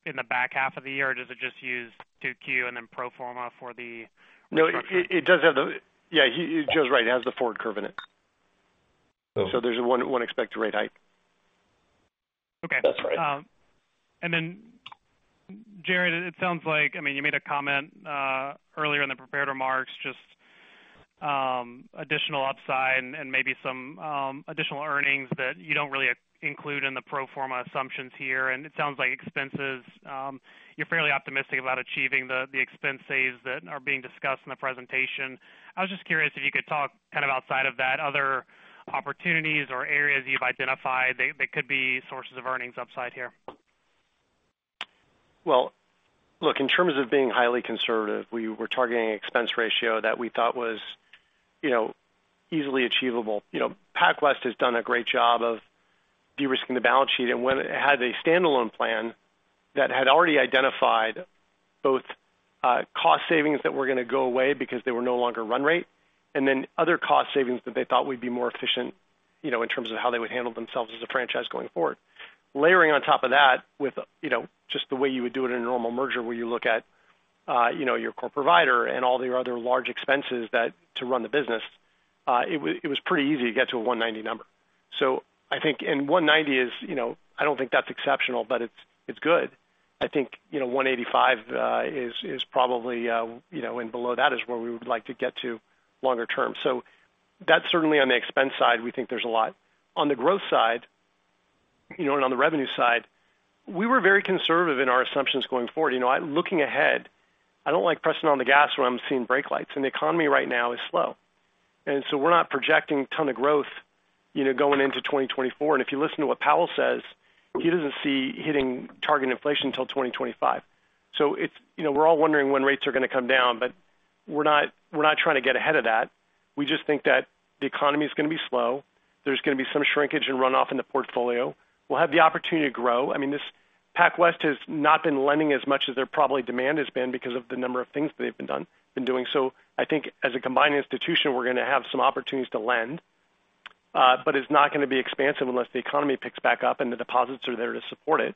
in the back half of the year, or does it just use 2Q and then pro forma for the structure? No, it does have the. Yeah, Joe's right. It has the forward curve in it. Okay. There's a one expected rate hike. Okay. That's right. Jared, it sounds like, I mean, you made a comment earlier in the prepared remarks, just additional upside and maybe some additional earnings that you don't really include in the pro forma assumptions here. It sounds like expenses, you're fairly optimistic about achieving the expense saves that are being discussed in the presentation. I was just curious if you could talk kind of outside of that, other opportunities or areas you've identified that could be sources of earnings upside here. Look, in terms of being highly conservative, we were targeting an expense ratio that we thought was, you know, easily achievable. You know, PacWest has done a great job of de-risking the balance sheet, and when it had a standalone plan that had already identified both cost savings that were going to go away because they were no longer run rate, and then other cost savings that they thought would be more efficient, you know, in terms of how they would handle themselves as a franchise going forward. Layering on top of that with, you know, just the way you would do it in a normal merger, where you look at, you know, your core provider and all the other large expenses that to run the business, it was pretty easy to get to a 190 number. I think, and 190 is, you know, I don't think that's exceptional, but it's good. I think, you know, 185 is probably, you know, and below that is where we would like to get to longer term. That's certainly on the expense side, we think there's a lot. On the growth side, you know, and on the revenue side, we were very conservative in our assumptions going forward. You know, looking ahead, I don't like pressing on the gas when I'm seeing brake lights, and the economy right now is slow. We're not projecting a ton of growth, you know, going into 2024. If you listen to what Powell says, he doesn't see hitting target inflation until 2025. It's, you know, we're all wondering when rates are going to come down, but we're not, we're not trying to get ahead of that. We just think that the economy is going to be slow. There's going to be some shrinkage and runoff in the portfolio. We'll have the opportunity to grow. I mean, this PacWest has not been lending as much as their probably demand has been because of the number of things that they've been doing. I think as a combined institution, we're going to have some opportunities to lend, but it's not going to be expansive unless the economy picks back up and the deposits are there to support it.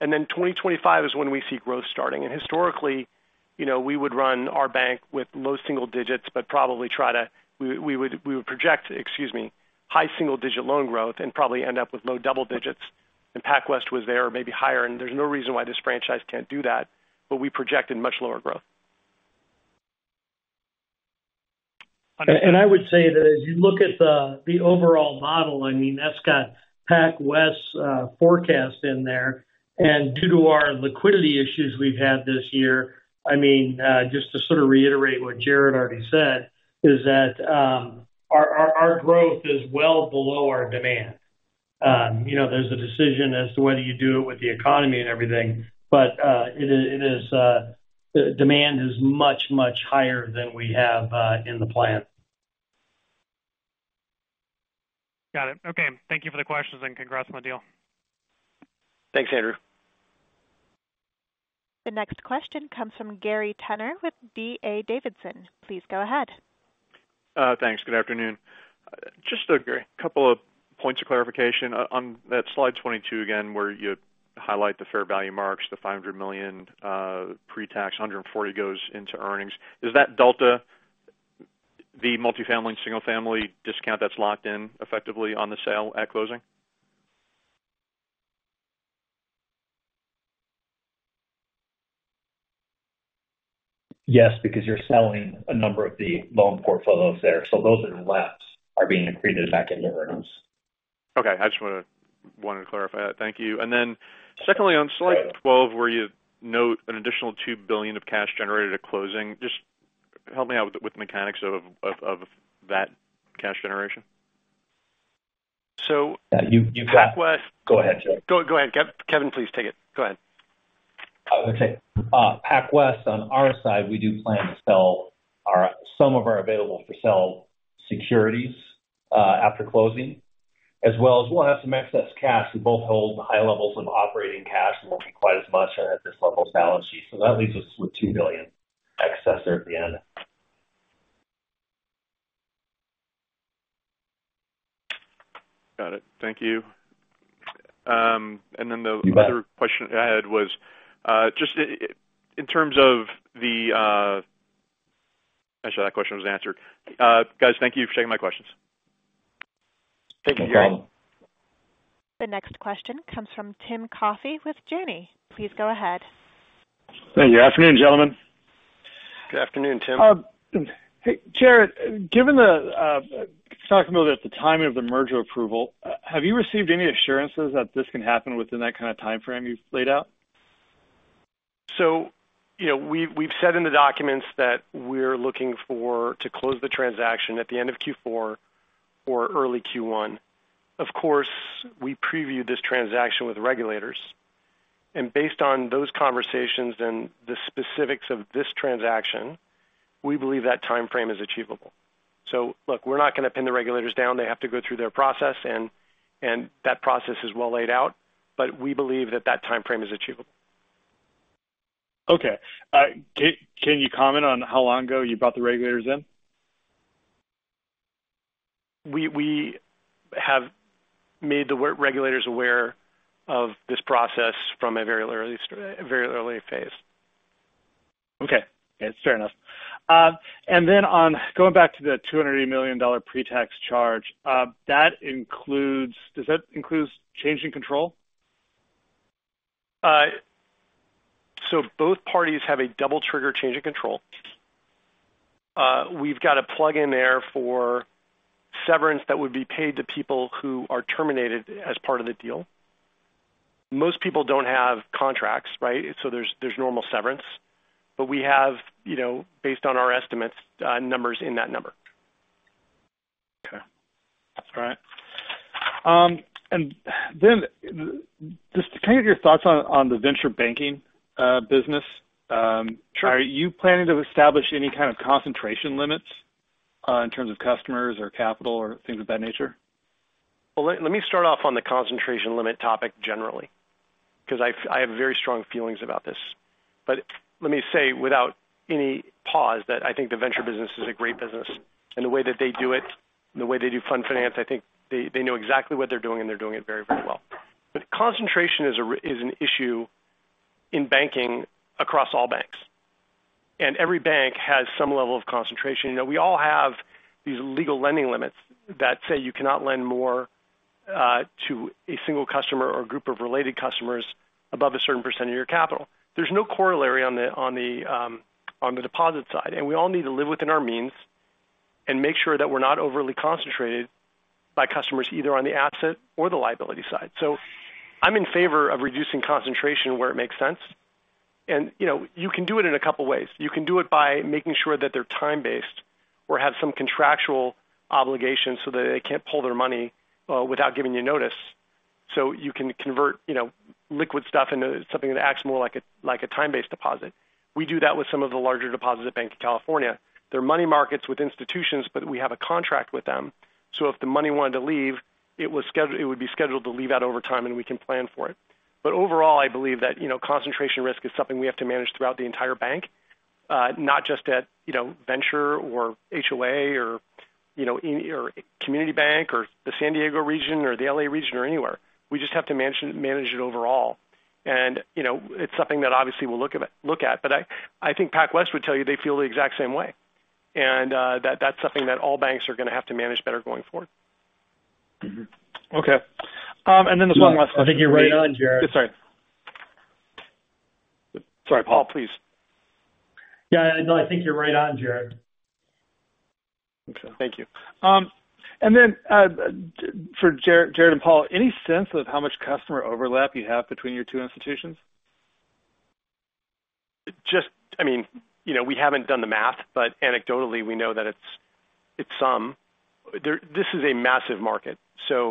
Then 2025 is when we see growth starting. Historically, you know, we would run our bank with low single digits, but probably try to... We would project, excuse me, high single-digit loan growth and probably end up with low double-digits. PacWest was there, maybe higher. There's no reason why this franchise can't do that. We projected much lower growth. I would say that as you look at the overall model, I mean, that's got PacWest's forecast in there. Due to our liquidity issues we've had this year, I mean, just to sort of reiterate what Jared already said, is that our growth is well below our demand. You know, there's a decision as to whether you do it with the economy and everything, but it is demand is much, much higher than we have in the plan. Got it. Okay. Thank you for the questions, and congrats on the deal. Thanks, Andrew. The next question comes from Gary Tenner with D.A. Davidson. Please go ahead. Thanks. Good afternoon. Just a couple of points of clarification. On that slide 22 again, where you highlight the fair value marks, the $500 million pre-tax, $140 goes into earnings. Is that delta the multifamily and single-family discount that's locked in effectively on the sale at closing? Yes, because you're selling a number of the loan portfolios there. Those are less are being accreted back into earnings. Okay. I just wanted to clarify that. Thank you. Then secondly, on slide 12, where you note an additional $2 billion of cash generated at closing, just help me out with the mechanics of that cash generation? So. Yeah, you. PacWest. Go ahead, Jared. Go ahead, Kevin, please take it. Go ahead. Okay. PacWest, on our side, we do plan to sell some of our available-for-sale securities after closing, as well as we'll have some excess cash. We both hold high levels of operating cash, we'll be quite as much at this level of balance sheet. That leaves us with $2 billion excess there at the end. Got it. Thank you. The other question I had was, just in terms of the... Actually, that question was answered. Guys, thank you for taking my questions. Thank you, Gary. No problem. The next question comes from Tim Coffey with Janney. Please go ahead. Thank you. Good afternoon, gentlemen. Good afternoon, Tim. Hey, Jared, given the talking about at the time of the merger approval, have you received any assurances that this can happen within that kind of time frame you've laid out? You know, we've said in the documents that we're looking for to close the transaction at the end of Q4 or early Q1. Of course, we previewed this transaction with regulators, and based on those conversations and the specifics of this transaction, we believe that time frame is achievable. Look, we're not going to pin the regulators down. They have to go through their process, and that process is well laid out, but we believe that that time frame is achievable. Okay. Can you comment on how long ago you brought the regulators in? We have made the regulators aware of this process from a very early phase. Okay. Yeah, it's fair enough. Then on going back to the $200 million pre-tax charge, does that include change in control? Both parties have a double trigger change in control. We've got a plug-in there for severance that would be paid to people who are terminated as part of the deal. Most people don't have contracts, right? There's normal severance. We have, you know, based on our estimates, numbers in that number. Okay. All right. Just can I get your thoughts on the venture banking business? Sure. Are you planning to establish any kind of concentration limits, in terms of customers or capital or things of that nature? Well, let me start off on the concentration limit topic generally, because I have very strong feelings about this. Let me say, without any pause, that I think the venture business is a great business, and the way that they do it, and the way they do fund finance, I think they know exactly what they're doing, and they're doing it very, very well. Concentration is an issue in banking across all banks, and every bank has some level of concentration. You know, we all have these legal lending limits that say you cannot lend more to a single customer or a group of related customers above a certain % of your capital. There's no corollary on the, on the deposit side, and we all need to live within our means. make sure that we're not overly concentrated by customers, either on the asset or the liability side. I'm in favor of reducing concentration where it makes sense, and, you know, you can do it in a couple of ways. You can do it by making sure that they're time-based or have some contractual obligation so that they can't pull their money without giving you notice. You can convert, you know, liquid stuff into something that acts more like a, like a time-based deposit. We do that with some of the larger deposits at Banc of California. They're money markets with institutions, but we have a contract with them, so if the money wanted to leave, it would be scheduled to leave out over time, and we can plan for it. Overall, I believe that, you know, concentration risk is something we have to manage throughout the entire Bank, not just at, you know, Venture or HOA or, you know, or Community Bank or the San Diego region or the L.A. region or anywhere. We just have to manage it overall. You know, it's something that obviously we'll look at. I think PacWest would tell you they feel the exact same way, and, that's something that all banks are going to have to manage better going forward. Okay. And then the one last- I think you're right on, Jared. Sorry. Sorry, Paul, please. Yeah, no, I think you're right on, Jared. Okay. Thank you. For Jared and Paul, any sense of how much customer overlap you have between your two institutions? I mean, you know, we haven't done the math, anecdotally, we know that it's some. This is a massive market, you're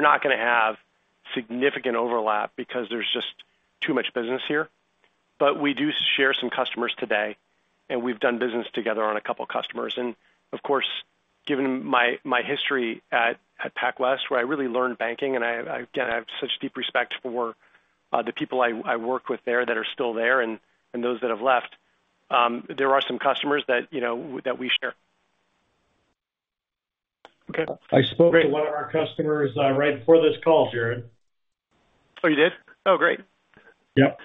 not going to have significant overlap because there's just too much business here. We do share some customers today, we've done business together on a couple of customers. Of course, given my history at PacWest, where I really learned banking, I again, I have such deep respect for the people I worked with there that are still there and those that have left. There are some customers that, you know, that we share. Okay. I spoke to one of our customers, right before this call, Jared. Oh, you did? Oh, great! Yep.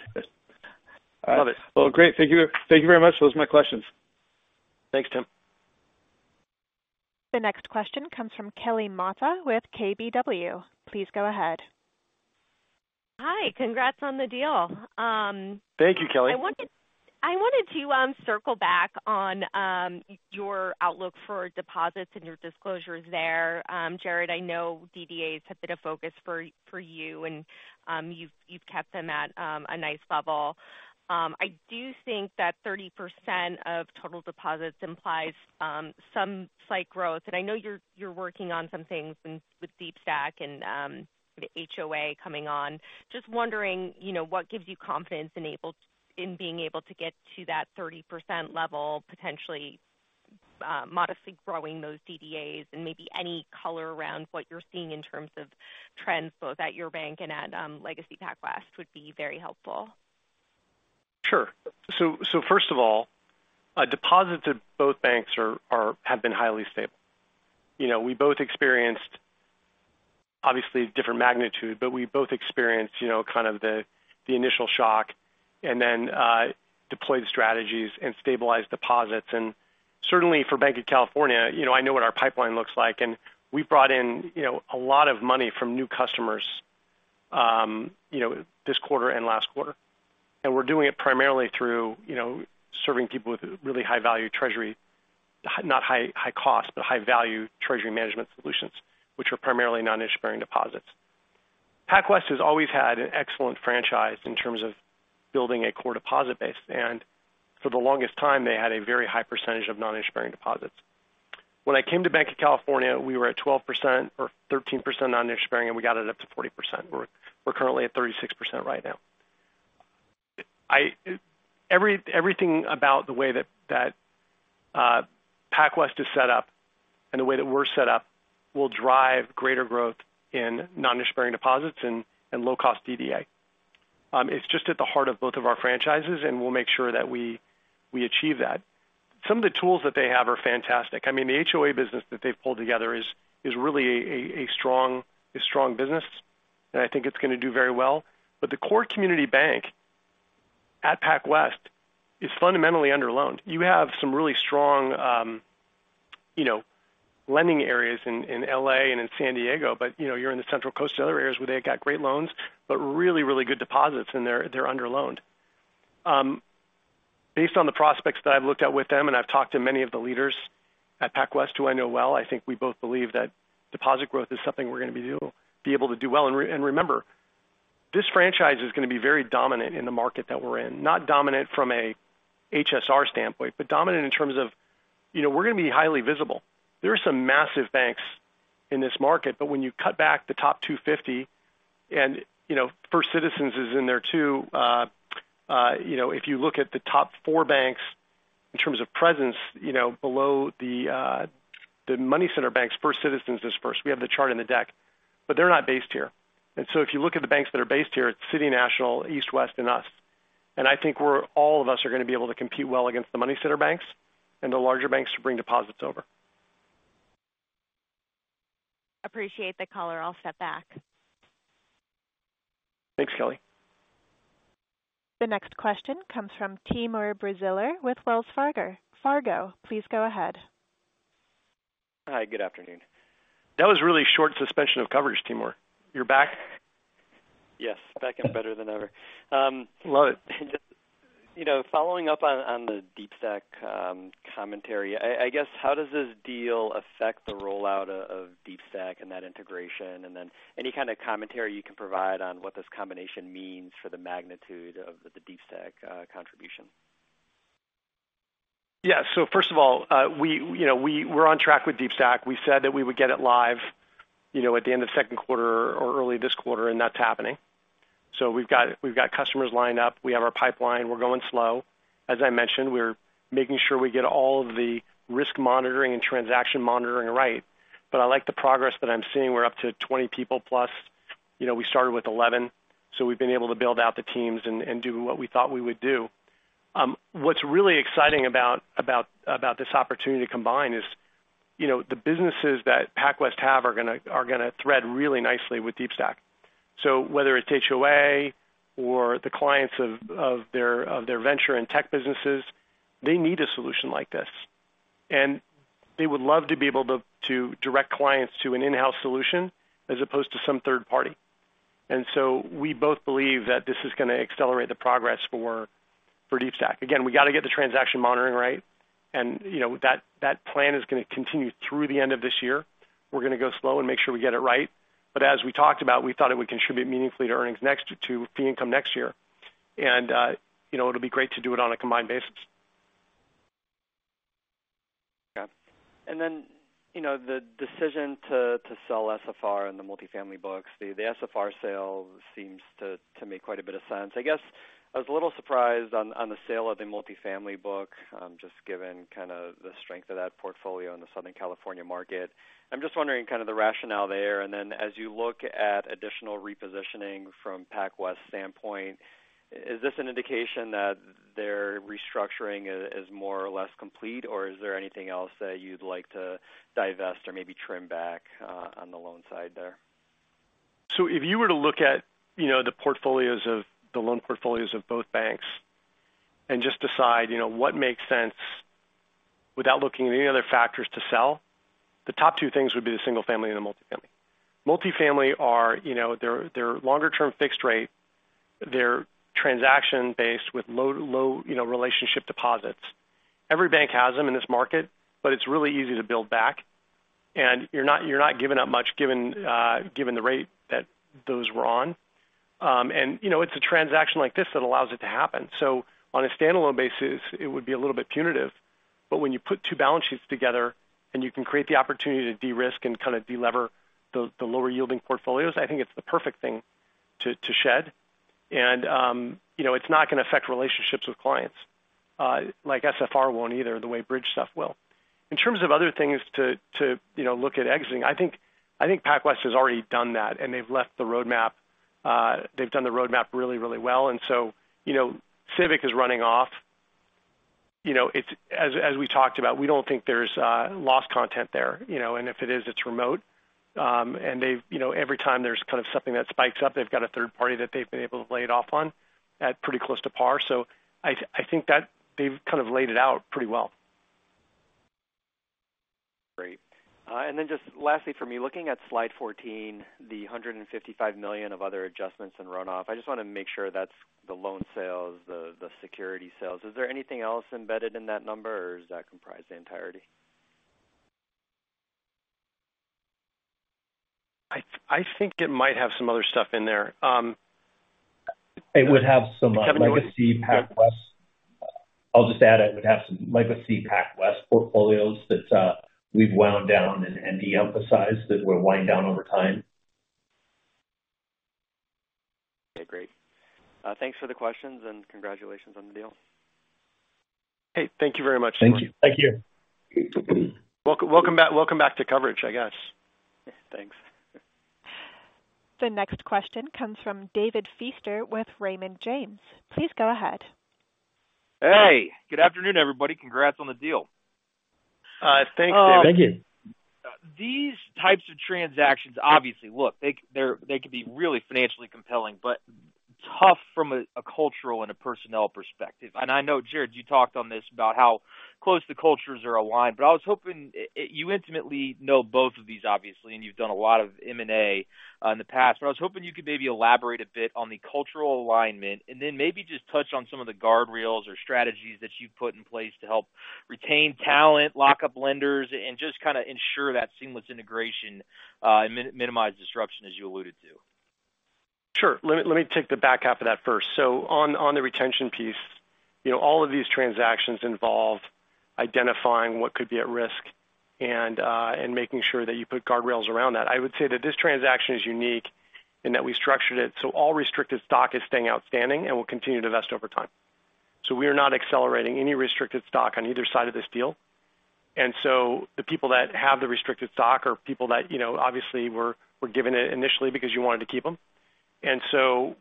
Love it. Well, great. Thank you. Thank you very much. Those are my questions. Thanks, Tim. The next question comes from Kelly Motta with KBW. Please go ahead. Hi, congrats on the deal. Thank you, Kelly. I wanted to circle back on your outlook for deposits and your disclosures there. Jared, I know DDAs have been a focus for you, and you've kept them at a nice level. I do think that 30% of total deposits implies some slight growth, and I know you're working on some things with DeepStack and the HOA coming on. Just wondering, you know, what gives you confidence in being able to get to that 30% level, potentially, modestly growing those DDAs, and maybe any color around what you're seeing in terms of trends, both at your bank and at Legacy PacWest, would be very helpful. Sure. First of all, deposits at both banks have been highly stable. You know, we both experienced obviously different magnitude, but we both experienced, you know, kind of the initial shock and then deployed strategies and stabilized deposits. Certainly for Banc of California, you know, I know what our pipeline looks like, and we brought in, you know, a lot of money from new customers, you know, this quarter and last quarter. We're doing it primarily through, you know, serving people with really high-value treasury, not high, high cost, but high-value treasury management solutions, which are primarily non-interest-bearing deposits. PacWest has always had an excellent franchise in terms of building a core deposit base, and for the longest time, they had a very high percentage of non-interest-bearing deposits. When I came to Banc of California, we were at 12% or 13% non-interest-bearing, and we got it up to 40%. We're currently at 36% right now. Everything about the way that PacWest is set up and the way that we're set up will drive greater growth in non-interest-bearing deposits and low-cost DDA. It's just at the heart of both of our franchises, and we'll make sure that we achieve that. Some of the tools that they have are fantastic. I mean, the HOA business that they've pulled together is really a strong business, and I think it's going to do very well. The core community bank at PacWest is fundamentally underloaned. You have some really strong, you know, lending areas in L.A. and in San Diego, but, you know, you're in the central coast and other areas where they've got great loans, but really, really good deposits, and they're underloaned. Based on the prospects that I've looked at with them, and I've talked to many of the leaders at PacWest, who I know well, I think we both believe that deposit growth is something we're going to be able to do well. Remember, this franchise is going to be very dominant in the market that we're in. Not dominant from a HSR standpoint, but dominant in terms of, you know, we're going to be highly visible. There are some massive banks in this market, but when you cut back the top 250, and, you know, First Citizens is in there too. you know, if you look at the top 4 banks in terms of presence, you know, below the money center banks, First Citizens is first. We have the chart in the deck, but they're not based here. If you look at the banks that are based here, it's City National, East West, and us. I think all of us are going to be able to compete well against the money center banks and the larger banks to bring deposits over. Appreciate the color. I'll step back. Thanks, Kelly. The next question comes from Timur Braziler with Wells Fargo. Please go ahead. Hi, good afternoon. That was really short suspension of coverage, Timur. You're back? Yes, back and better than ever. Love it. You know, following up on the DeepStack commentary, I guess, how does this deal affect the rollout of DeepStack and that integration? Any kind of commentary you can provide on what this combination means for the magnitude of the DeepStack contribution? Yeah. First of all, we, you know, we're on track with DeepStack. We said that we would get it live, you know, at the end of second quarter or early this quarter, and that's happening. We've got customers lined up. We have our pipeline. We're going slow. As I mentioned, we're making sure we get all of the risk monitoring and transaction monitoring right. I like the progress that I'm seeing. We're up to 20 people plus. You know, we started with 11, so we've been able to build out the teams and do what we thought we would do. What's really exciting about this opportunity to combine is, you know, the businesses that PacWest have are gonna thread really nicely with DeepStack. Whether it's HOA or the clients of their, of their venture and tech businesses, they need a solution like this. They would love to be able to direct clients to an in-house solution as opposed to some third party. So we both believe that this is gonna accelerate the progress for DeepStack. Again, we got to get the transaction monitoring right, and, you know, that plan is gonna continue through the end of this year. We're gonna go slow and make sure we get it right. But as we talked about, we thought it would contribute meaningfully to earnings fee income next year. You know, it'll be great to do it on a combined basis. Yeah. You know, the decision to sell SFR in the multifamily books, the SFR sale seems to make quite a bit of sense. I guess I was a little surprised on the sale of the multifamily book, just given kind of the strength of that portfolio in the Southern California market. I'm just wondering kind of the rationale there. As you look at additional repositioning from PacWest standpoint, is this an indication that their restructuring is more or less complete, or is there anything else that you'd like to divest or maybe trim back on the loan side there? If you were to look at, you know, the loan portfolios of both banks and just decide, you know, what makes sense without looking at any other factors to sell, the top two things would be the single family and the multifamily. Multifamily are, you know, they're longer term fixed rate. They're transaction-based with low, you know, relationship deposits. Every bank has them in this market, but it's really easy to build back, and you're not giving up much, given the rate that those were on. You know, it's a transaction like this that allows it to happen. On a standalone basis, it would be a little bit punitive, but when you put two balance sheets together and you can create the opportunity to de-risk and kind of delever the lower-yielding portfolios, I think it's the perfect thing to shed. You know, it's not gonna affect relationships with clients. Like SFR won't either, the way bridge stuff will. In terms of other things to, you know, look at exiting, I think PacWest has already done that, and they've left the roadmap. They've done the roadmap really, really well, you know, Civic is running off. You know, as we talked about, we don't think there's loss content there, you know, and if it is, it's remote. And they've, you know, every time there's kind of something that spikes up, they've got a third party that they've been able to lay it off on at pretty close to par. I think that they've kind of laid it out pretty well. Great. Just lastly for me, looking at slide 14, the $155 million of other adjustments and run off, I just wanna make sure that's the loan sales, the security sales. Is there anything else embedded in that number, or does that comprise the entirety? I think it might have some other stuff in there. It would have some legacy PacWest. I'll just add, it would have some legacy PacWest portfolios that, we've wound down and de-emphasized, that we're winding down over time. Okay, great. Thanks for the questions, and congratulations on the deal. Hey, thank you very much. Thank you. Thank you. Welcome, welcome back, welcome back to coverage, I guess. Thanks. The next question comes from David Feaster with Raymond James. Please go ahead. Hey, good afternoon, everybody. Congrats on the deal. Thanks, David. Thank you. These types of transactions, obviously, look, they could be really financially compelling, but tough from a cultural and a personnel perspective. I know, Jared, you talked on this about how close the cultures are aligned, but I was hoping. You intimately know both of these, obviously, and you've done a lot of M&A in the past, but I was hoping you could maybe elaborate a bit on the cultural alignment, and then maybe just touch on some of the guardrails or strategies that you've put in place to help retain talent, lock up lenders, and just kind of ensure that seamless integration and minimize disruption as you alluded to. Sure. Let me take the back half of that first. On, on the retention piece, you know, all of these transactions involve identifying what could be at risk and making sure that you put guardrails around that. I would say that this transaction is unique in that we structured it, so all restricted stock is staying outstanding and will continue to vest over time. We are not accelerating any restricted stock on either side of this deal. The people that have the restricted stock are people that, you know, obviously were given it initially because you wanted to keep them.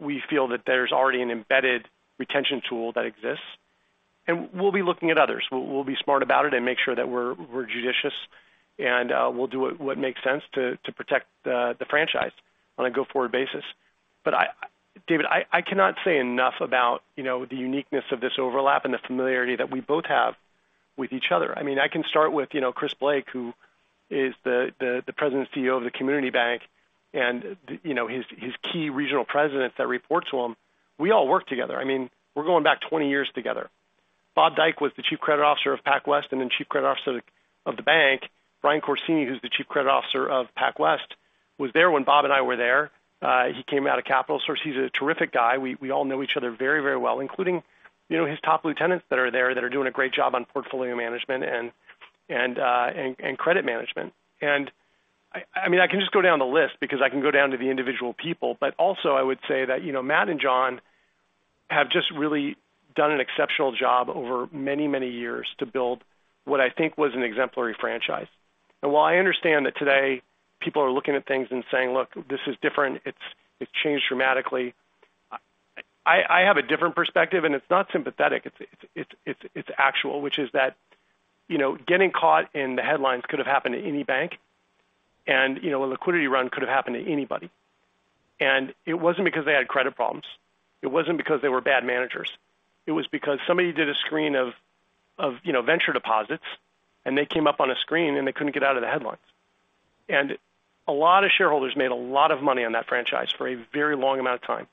We feel that there's already an embedded retention tool that exists, and we'll be looking at others. We'll be smart about it and make sure that we're judicious, and we'll do what makes sense to protect the franchise on a go-forward basis. David, I cannot say enough about, you know, the uniqueness of this overlap and the familiarity that we both have with each other. I mean, I can start with, you know, Chris Blake, who is the President CEO of the community bank, and, you know, his key regional presidents that report to him. We all work together. I mean, we're going back 20 years together. Bob Dyck was the Chief Credit Officer of PacWest, and then Chief Credit Officer of the bank. Bryan Corsini, who's the Chief Credit Officer of PacWest, was there when Bob and I were there. He came out of CapitalSource. He's a terrific guy. We all know each other very, very well, including, you know, his top lieutenants that are there, that are doing a great job on portfolio management and credit management. I mean, I can just go down the list because I can go down to the individual people. Also I would say that, you know, Matt and John have just really done an exceptional job over many, many years to build what I think was an exemplary franchise. While I understand that today people are looking at things and saying, "Look, this is different, it's changed dramatically," I have a different perspective, and it's not sympathetic. It's actual, which is that, you know, getting caught in the headlines could have happened to any bank, and, you know, a liquidity run could have happened to anybody. It wasn't because they had credit problems. It wasn't because they were bad managers. It was because somebody did a screen of, you know, venture deposits, and they came up on a screen, and they couldn't get out of the headlines. A lot of shareholders made a lot of money on that franchise for a very long amount of time.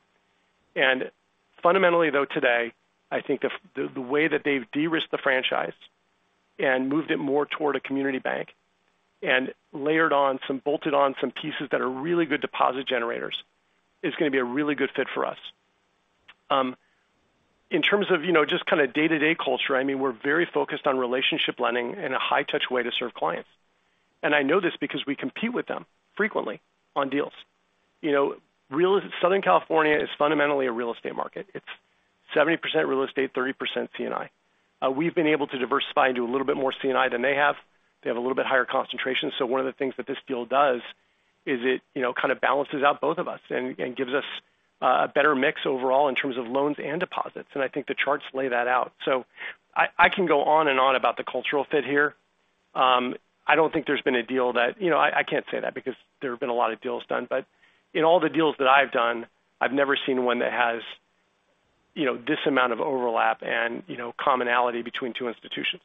Fundamentally, though, today, I think the way that they've de-risked the franchise and moved it more toward a community bank and layered on some bolted on some pieces that are really good deposit generators, is gonna be a really good fit for us. In terms of, you know, just kind of day-to-day culture, I mean, we're very focused on relationship lending and a high-touch way to serve clients. I know this because we compete with them frequently on deals. You know, Southern California is fundamentally a real estate market. It's 70% real estate, 30% C&I. We've been able to diversify into a little bit more C&I than they have. They have a little bit higher concentration. One of the things that this deal does is it, you know, kind of balances out both of us and gives us a better mix overall in terms of loans and deposits, and I think the charts lay that out. I can go on and on about the cultural fit here. I don't think there's been a deal. You know, I can't say that because there have been a lot of deals done. In all the deals that I've done, I've never seen one that has, you know, this amount of overlap and, you know, commonality between two institutions.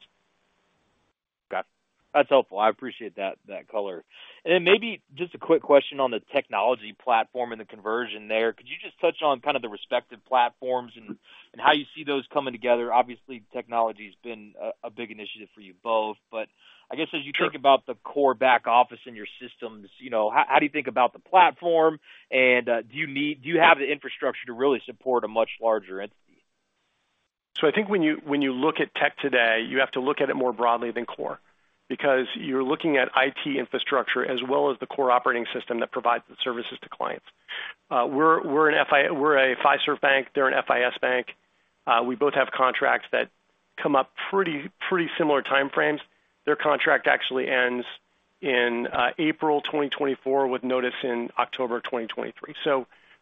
Got it. That's helpful. I appreciate that color. Then maybe just a quick question on the technology platform and the conversion there? Could you just touch on kind of the respective platforms and how you see those coming together? Obviously, technology's been a big initiative for you both, I guess as you think. Sure. About the core back office in your systems, you know, how do you think about the platform? Do you have the infrastructure to really support a much larger entity? I think when you, when you look at tech today, you have to look at it more broadly than core, because you're looking at IT infrastructure as well as the core operating system that provides the services to clients. We're a Fiserv bank. They're an FIS bank. We both have contracts that come up pretty similar time frames. Their contract actually ends in April 2024, with notice in October 2023.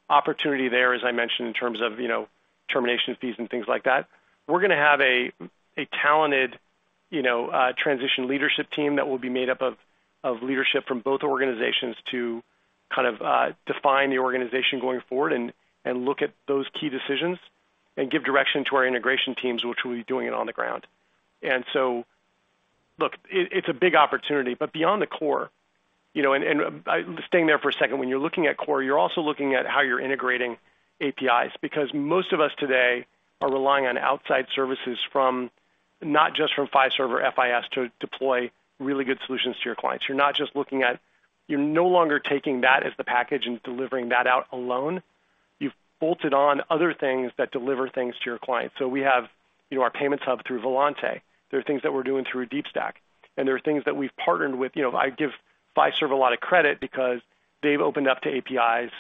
Opportunity there, as I mentioned, in terms of, you know, termination fees and things like that. We're gonna have a talented, you know, transition leadership team that will be made up of leadership from both organizations to kind of define the organization going forward and look at those key decisions and give direction to our integration teams, which will be doing it on the ground. Look, it's a big opportunity, but beyond the core, you know, and staying there for a second, when you're looking at core, you're also looking at how you're integrating APIs, because most of us today are relying on outside services from, not just from Fiserv or FIS, to deploy really good solutions to your clients. You're no longer taking that as the package and delivering that out alone. You've bolted on other things that deliver things to your clients. We have, you know, our payments hub through Volante. There are things that we're doing through DeepStack, and there are things that we've partnered with. You know, I give Fiserv a lot of credit because they've opened up to APIs,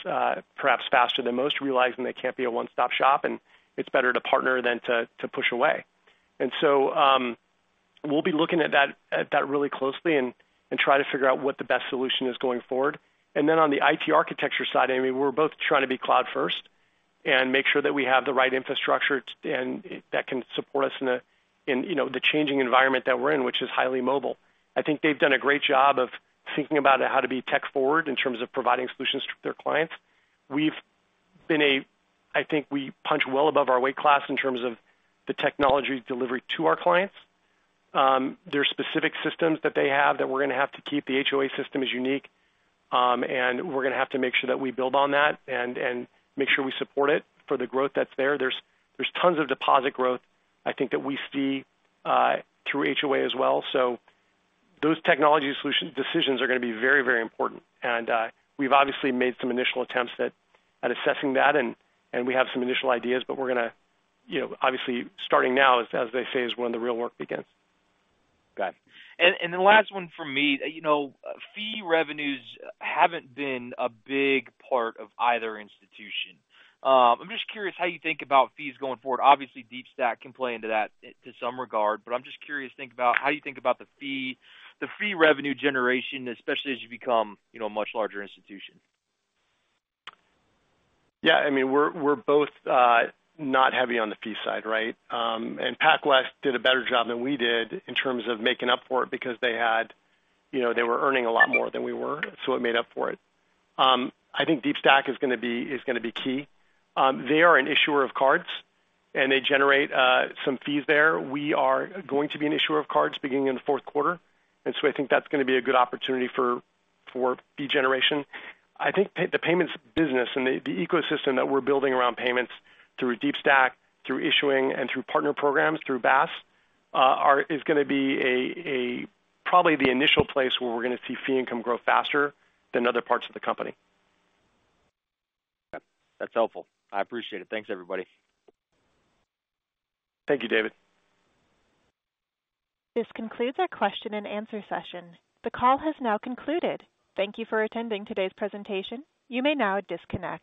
perhaps faster than most, realizing they can't be a one-stop shop, and it's better to partner than to push away. We'll be looking at that really closely and try to figure out what the best solution is going forward. On the IT architecture side, I mean, we're both trying to be cloud-first and make sure that we have the right infrastructure and that can support us in a, you know, the changing environment that we're in, which is highly mobile. I think they've done a great job of thinking about how to be tech forward in terms of providing solutions to their clients. We've been I think we punch well above our weight class in terms of the technology delivery to our clients. There are specific systems that they have that we're gonna have to keep. The HOA system is unique, and we're gonna have to make sure that we build on that and make sure we support it for the growth that's there. There's tons of deposit growth I think that we see through HOA as well. Those technology solution decisions are gonna be very, very important. We've obviously made some initial attempts at assessing that, and we have some initial ideas, but we're gonna, you know, obviously, starting now, as they say, is when the real work begins. Got it. The last one from me. You know, fee revenues haven't been a big part of either institution. I'm just curious how you think about fees going forward. Obviously, DeepStack can play into that to some regard, but I'm just curious to think about how you think about the fee revenue generation, especially as you become, you know, a much larger institution. Yeah, I mean, we're both not heavy on the fee side, right? PacWest did a better job than we did in terms of making up for it, because they had, you know, they were earning a lot more than we were, so it made up for it. I think DeepStack is gonna be key. They are an issuer of cards, they generate some fees there. We are going to be an issuer of cards beginning in the fourth quarter, I think that's gonna be a good opportunity for fee generation. I think the payments business and the ecosystem that we're building around payments through DeepStack, through issuing, and through partner programs, through BaaS, is gonna be a, probably the initial place where we're gonna see fee income grow faster than other parts of the company. Yep, that's helpful. I appreciate it. Thanks, everybody. Thank you, David. This concludes our question and answer session. The call has now concluded. Thank you for attending today's presentation. You may now disconnect.